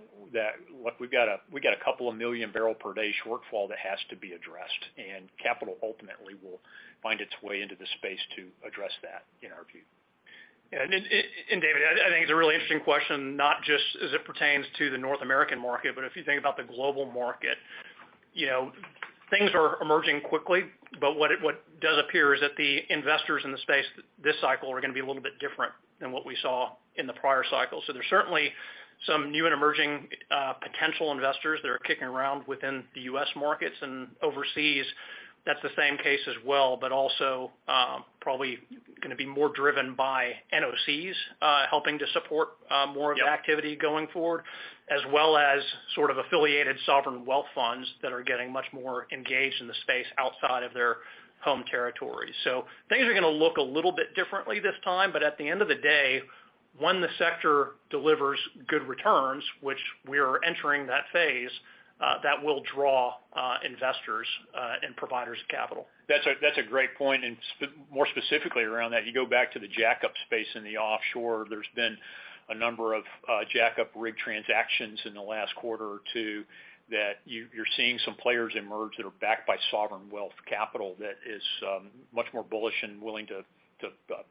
look, we've got a couple of million barrel per day shortfall that has to be addressed, and capital ultimately will find its way into the space to address that, in our view. David, I think it's a really interesting question, not just as it pertains to the North American market, but if you think about the global market. You know, things are emerging quickly, but what does appear is that the investors in the space this cycle are gonna be a little bit different than what we saw in the prior cycle. There's certainly some new and emerging potential investors that are kicking around within the U.S. markets and overseas. That's the same case as well, but also probably gonna be more driven by NOCs helping to support more- Yeah. Of the activity going forward, as well as sort of affiliated sovereign wealth funds that are getting much more engaged in the space outside of their home territory. Things are gonna look a little bit differently this time, but at the end of the day, when the sector delivers good returns, which we are entering that phase, that will draw investors and providers of capital. That's a great point. More specifically around that, you go back to the jack-up space in the offshore. There's been a number of jack-up rig transactions in the last quarter or two that you're seeing some players emerge that are backed by sovereign wealth capital that is much more bullish and willing to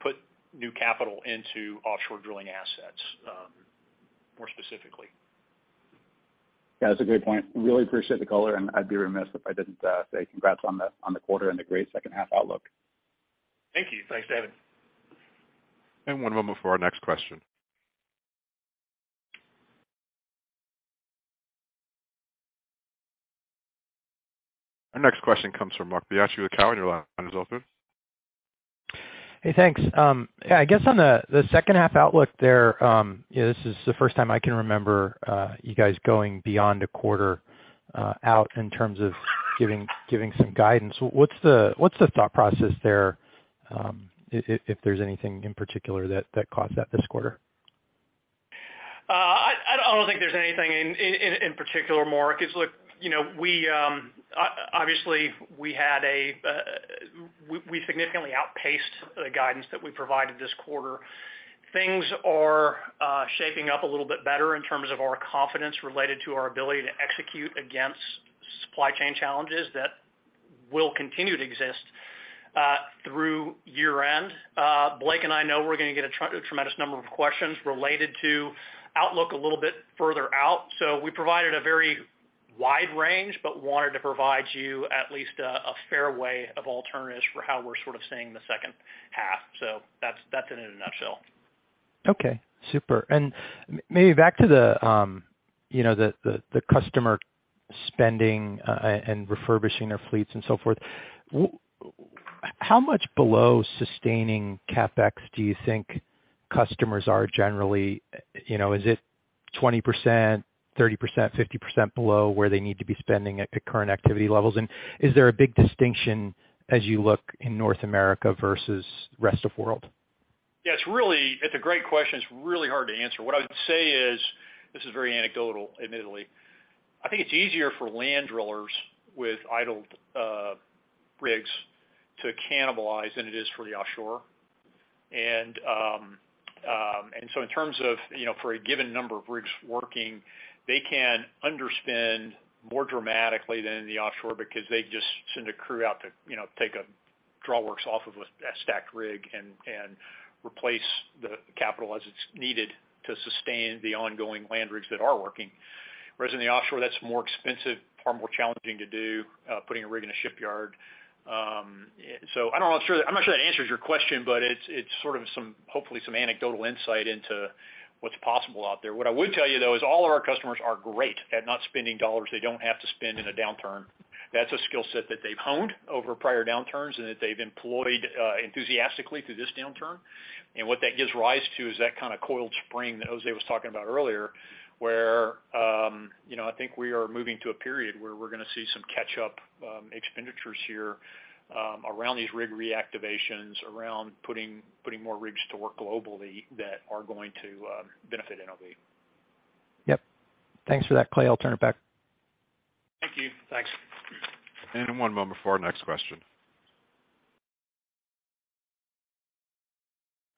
put new capital into offshore drilling assets, more specifically. Yeah, that's a great point. Really appreciate the color, and I'd be remiss if I didn't say congrats on the quarter and the great second half outlook. Thank you. Thanks, David. One moment for our next question. Our next question comes from Marc Bianchi with Cowen. Your line is open. Hey, thanks. Yeah, I guess on the second half outlook there, you know, this is the first time I can remember you guys going beyond a quarter out in terms of giving some guidance. What's the thought process there, if there's anything in particular that caused that this quarter? I don't think there's anything in particular, Marc. Look, you know, we obviously significantly outpaced the guidance that we provided this quarter. Things are shaping up a little bit better in terms of our confidence related to our ability to execute against supply chain challenges that will continue to exist through year-end. Blake and I know we're gonna get a tremendous number of questions related to outlook a little bit further out. We provided a very wide range, but wanted to provide you at least a fair way of alternatives for how we're sort of seeing the second half. That's it in a nutshell. Okay, super. Maybe back to you know, the customer spending and refurbishing their fleets and so forth. How much below sustaining CapEx do you think customers are generally? You know, is it 20%, 30%, 50% below where they need to be spending at current activity levels? Is there a big distinction as you look in North America versus rest of world? Yeah, it's really. It's a great question. It's really hard to answer. What I would say is, this is very anecdotal, admittedly. I think it's easier for land drillers with idled rigs to cannibalize than it is for the offshore. In terms of, you know, for a given number of rigs working, they can underspend more dramatically than in the offshore because they just send a crew out to, you know, take a draw works off of a stacked rig and replace the capital as it's needed to sustain the ongoing land rigs that are working. Whereas in the offshore, that's more expensive, far more challenging to do, putting a rig in a shipyard. I'm not sure that answers your question, but it's sort of, hopefully, some anecdotal insight into what's possible out there. What I would tell you, though, is all of our customers are great at not spending dollars they don't have to spend in a downturn. That's a skill set that they've honed over prior downturns and that they've employed enthusiastically through this downturn. What that gives rise to is that kind of coiled spring that Jose was talking about earlier, where, you know, I think we are moving to a period where we're gonna see some catch up expenditures here, around these rig reactivations, around putting more rigs to work globally that are going to benefit NOV. Yep. Thanks for that, Clay. I'll turn it back. Thank you. Thanks. One moment for our next question.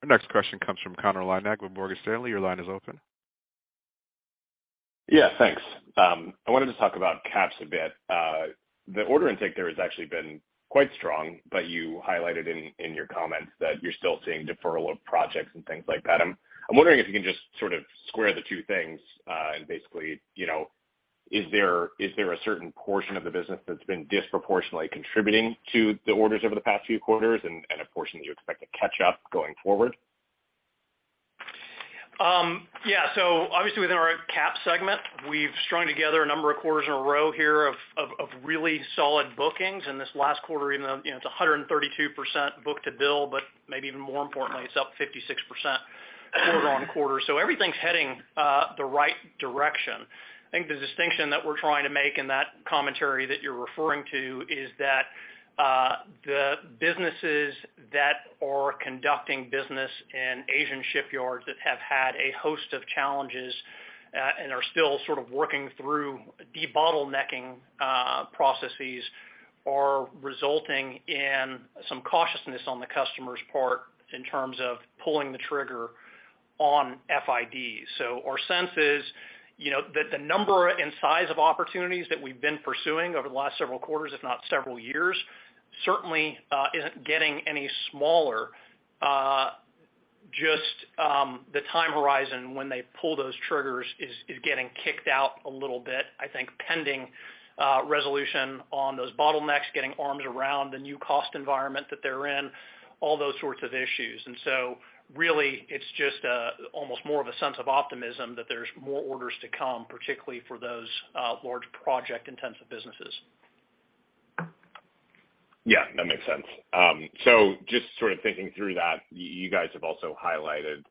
Our next question comes from Connor Lynagh with Morgan Stanley. Your line is open. Yeah, thanks. I wanted to talk about C&Ps a bit. The order intake there has actually been quite strong, but you highlighted in your comments that you're still seeing deferral of projects and things like that. I'm wondering if you can just sort of square the two things, and basically, you know, is there a certain portion of the business that's been disproportionately contributing to the orders over the past few quarters and a portion that you expect to catch up going forward? Obviously, within our C&Ps segment, we've strung together a number of quarters in a row here of really solid bookings. This last quarter, even though, you know, it's 132% book-to-bill, but maybe even more importantly, it's up 56% quarter-on-quarter. Everything's heading the right direction. I think the distinction that we're trying to make in that commentary that you're referring to is that the businesses that are conducting business in Asian shipyards that have had a host of challenges and are still sort of working through debottlenecking processes are resulting in some cautiousness on the customer's part in terms of pulling the trigger on FIDs. Our sense is, you know, that the number and size of opportunities that we've been pursuing over the last several quarters, if not several years, certainly, isn't getting any smaller. Just, the time horizon when they pull those triggers is getting kicked out a little bit, I think, pending resolution on those bottlenecks, getting arms around the new cost environment that they're in, all those sorts of issues. Really, it's just almost more of a sense of optimism that there's more orders to come, particularly for those large project-intensive businesses. Yeah, that makes sense. So just sort of thinking through that, you guys have also highlighted,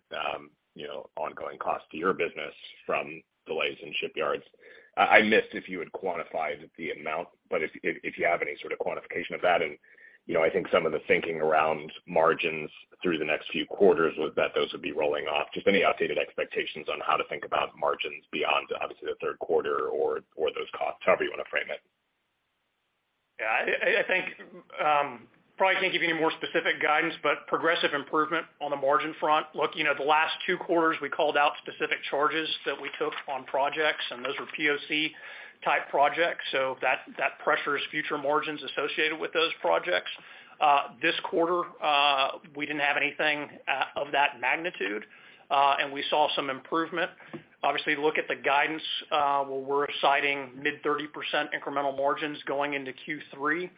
you know, ongoing cost to your business from delays in shipyards. I missed if you had quantified the amount, but if you have any sort of quantification of that. You know, I think some of the thinking around margins through the next few quarters was that those would be rolling off. Just any updated expectations on how to think about margins beyond, obviously, the third quarter or those costs, however you wanna frame it. Yeah. I think probably can't give you any more specific guidance, but progressive improvement on the margin front. Look, you know, the last two quarters, we called out specific charges that we took on projects, and those were POC-type projects. That pressures future margins associated with those projects. This quarter, we didn't have anything of that magnitude, and we saw some improvement. Obviously, look at the guidance, where we're citing mid-30% incremental margins going into Q3.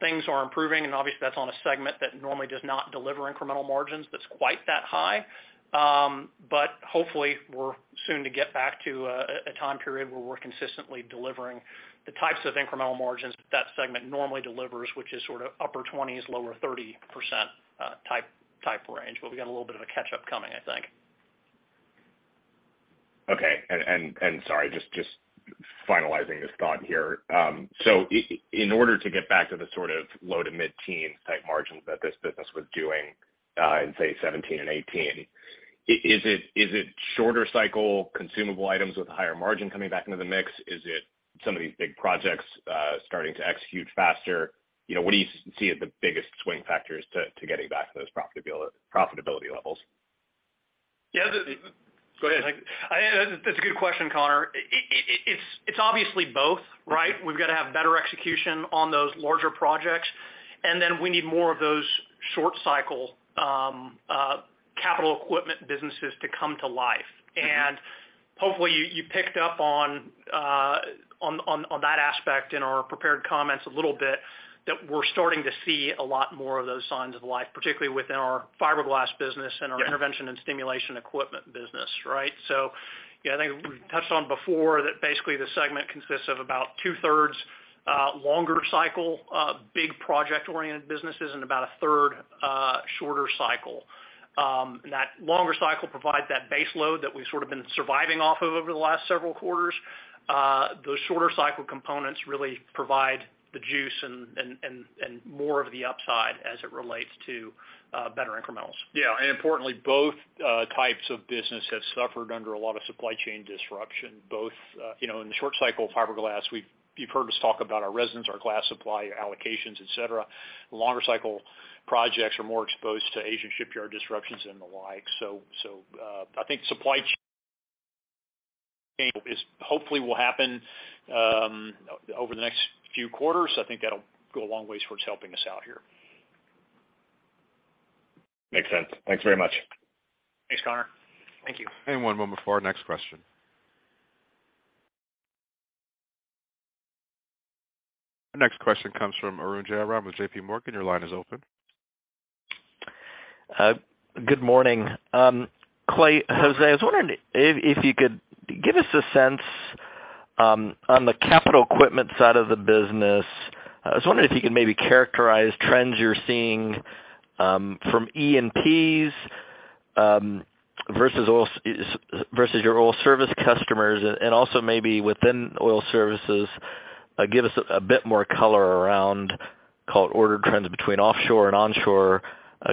Things are improving and obviously that's on a segment that normally does not deliver incremental margins that's quite that high. Hopefully we're soon to get back to a time period where we're consistently delivering the types of incremental margins that segment normally delivers, which is sort of upper 20s%-lower 30% type range. We got a little bit of a catch-up coming, I think. Okay. Sorry, just finalizing this thought here. In order to get back to the sort of low- to mid-teen-type margins that this business was doing in say 2017 and 2018, is it shorter-cycle consumable items with higher margin coming back into the mix? Is it some of these big projects starting to execute faster? You know, what do you see as the biggest swing factors to getting back to those profitability levels? Yeah. Go ahead. I think that's a good question, Connor. It's obviously both, right? We've got to have better execution on those larger projects. We need more of those short-cycle capital equipment businesses to come to life. Hopefully you picked up on that aspect in our prepared comments a little bit, that we're starting to see a lot more of those signs of life, particularly within our Fiberglass business and our intervention and stimulation equipment business, right? Yeah, I think we touched on before that basically the segment consists of about two-thirds longer cycle big project-oriented businesses and about a third shorter cycle. That longer cycle provides that base load that we've sort of been surviving off of over the last several quarters. Those shorter cycle components really provide the juice and more of the upside as it relates to better incrementals. Importantly, both types of business have suffered under a lot of supply chain disruption, both, you know, in the short-cycle Fiberglass, you've heard us talk about our restrictions, our glass supply allocations, et cetera. Longer cycle projects are more exposed to Asian shipyard disruptions and the like. I think supply chain issues hopefully will ease over the next few quarters. I think that'll go a long way towards helping us out here. Makes sense. Thanks very much. Thanks, Connor. Thank you. One moment for our next question. Our next question comes from Arun Jayaram with JPMorgan. Your line is open. Good morning. Clay, Jose, I was wondering if you could give us a sense on the capital equipment side of the business. I was wondering if you can maybe characterize trends you're seeing from E&Ps versus your oil service customers. Also maybe within oil services, give us a bit more color around call order trends between offshore and onshore.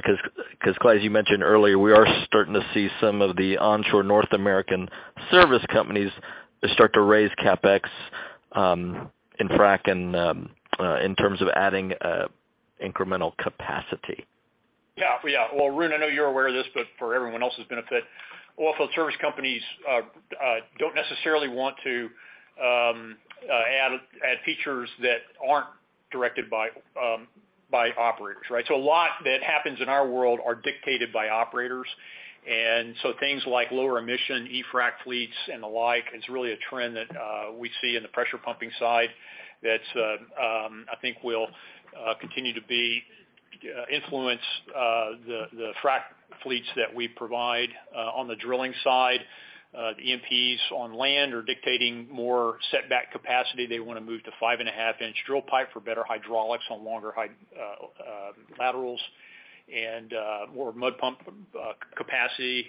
'Cause Clay, as you mentioned earlier, we are starting to see some of the onshore North American service companies start to raise CapEx in frac and in terms of adding incremental capacity. Yeah. Yeah. Well, Arun, I know you're aware of this, but for everyone else's benefit, oilfield service companies don't necessarily want to add features that aren't directed by operators, right? A lot that happens in our world are dictated by operators. Things like lower emission eFrac fleets and the like is really a trend that we see in the pressure pumping side that I think will continue to be influential the frac fleets that we provide on the drilling side. The E&Ps on land are dictating more setback capacity. They want to move to 5.5-inch drill pipe for better hydraulics on longer high laterals and more mud pump capacity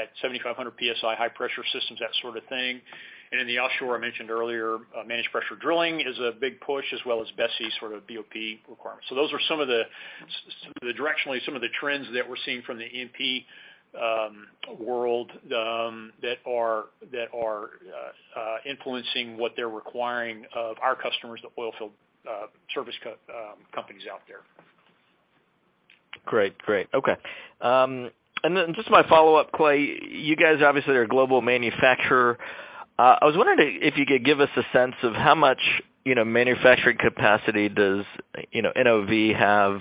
at 7,500 PSI high-pressure systems, that sort of thing. In the offshore, I mentioned earlier, managed pressure drilling is a big push as well as BSEE sort of BOP requirements. Those are some of the directional trends that we're seeing from the E&P world that are influencing what they're requiring of our customers, the oilfield service companies out there. Great. Okay. Just my follow-up, Clay, you guys obviously are a global manufacturer. I was wondering if you could give us a sense of how much, you know, manufacturing capacity does, you know, NOV have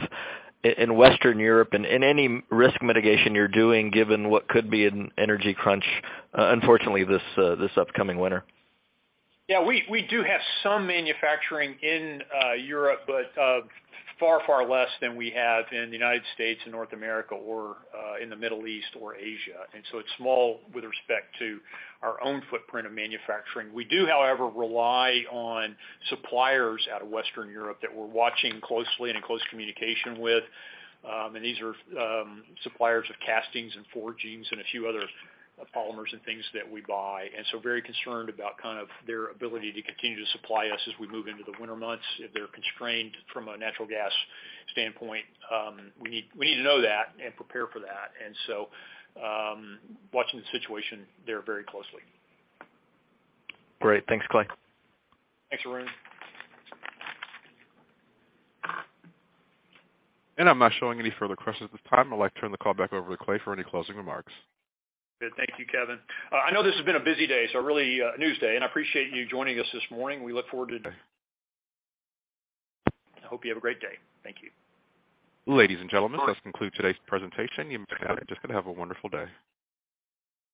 in Western Europe and any risk mitigation you're doing given what could be an energy crunch, unfortunately this upcoming winter? Yeah, we do have some manufacturing in Europe, but far less than we have in the United States and North America or in the Middle East or Asia. It's small with respect to our own footprint of manufacturing. We do, however, rely on suppliers out of Western Europe that we're watching closely and in close communication with. These are suppliers of castings and forgings and a few other polymers and things that we buy. Very concerned about kind of their ability to continue to supply us as we move into the winter months. If they're constrained from a natural gas standpoint, we need to know that and prepare for that. Watching the situation there very closely. Great. Thanks, Clay. Thanks, Arun. I'm not showing any further questions at this time. I'd like to turn the call back over to Clay for any closing remarks. Good. Thank you, Kevin. I know this has been a busy day, so really, news day, and I appreciate you joining us this morning. I hope you have a great day. Thank you. Ladies and gentlemen, this concludes today's presentation. Just gonna have a wonderful day.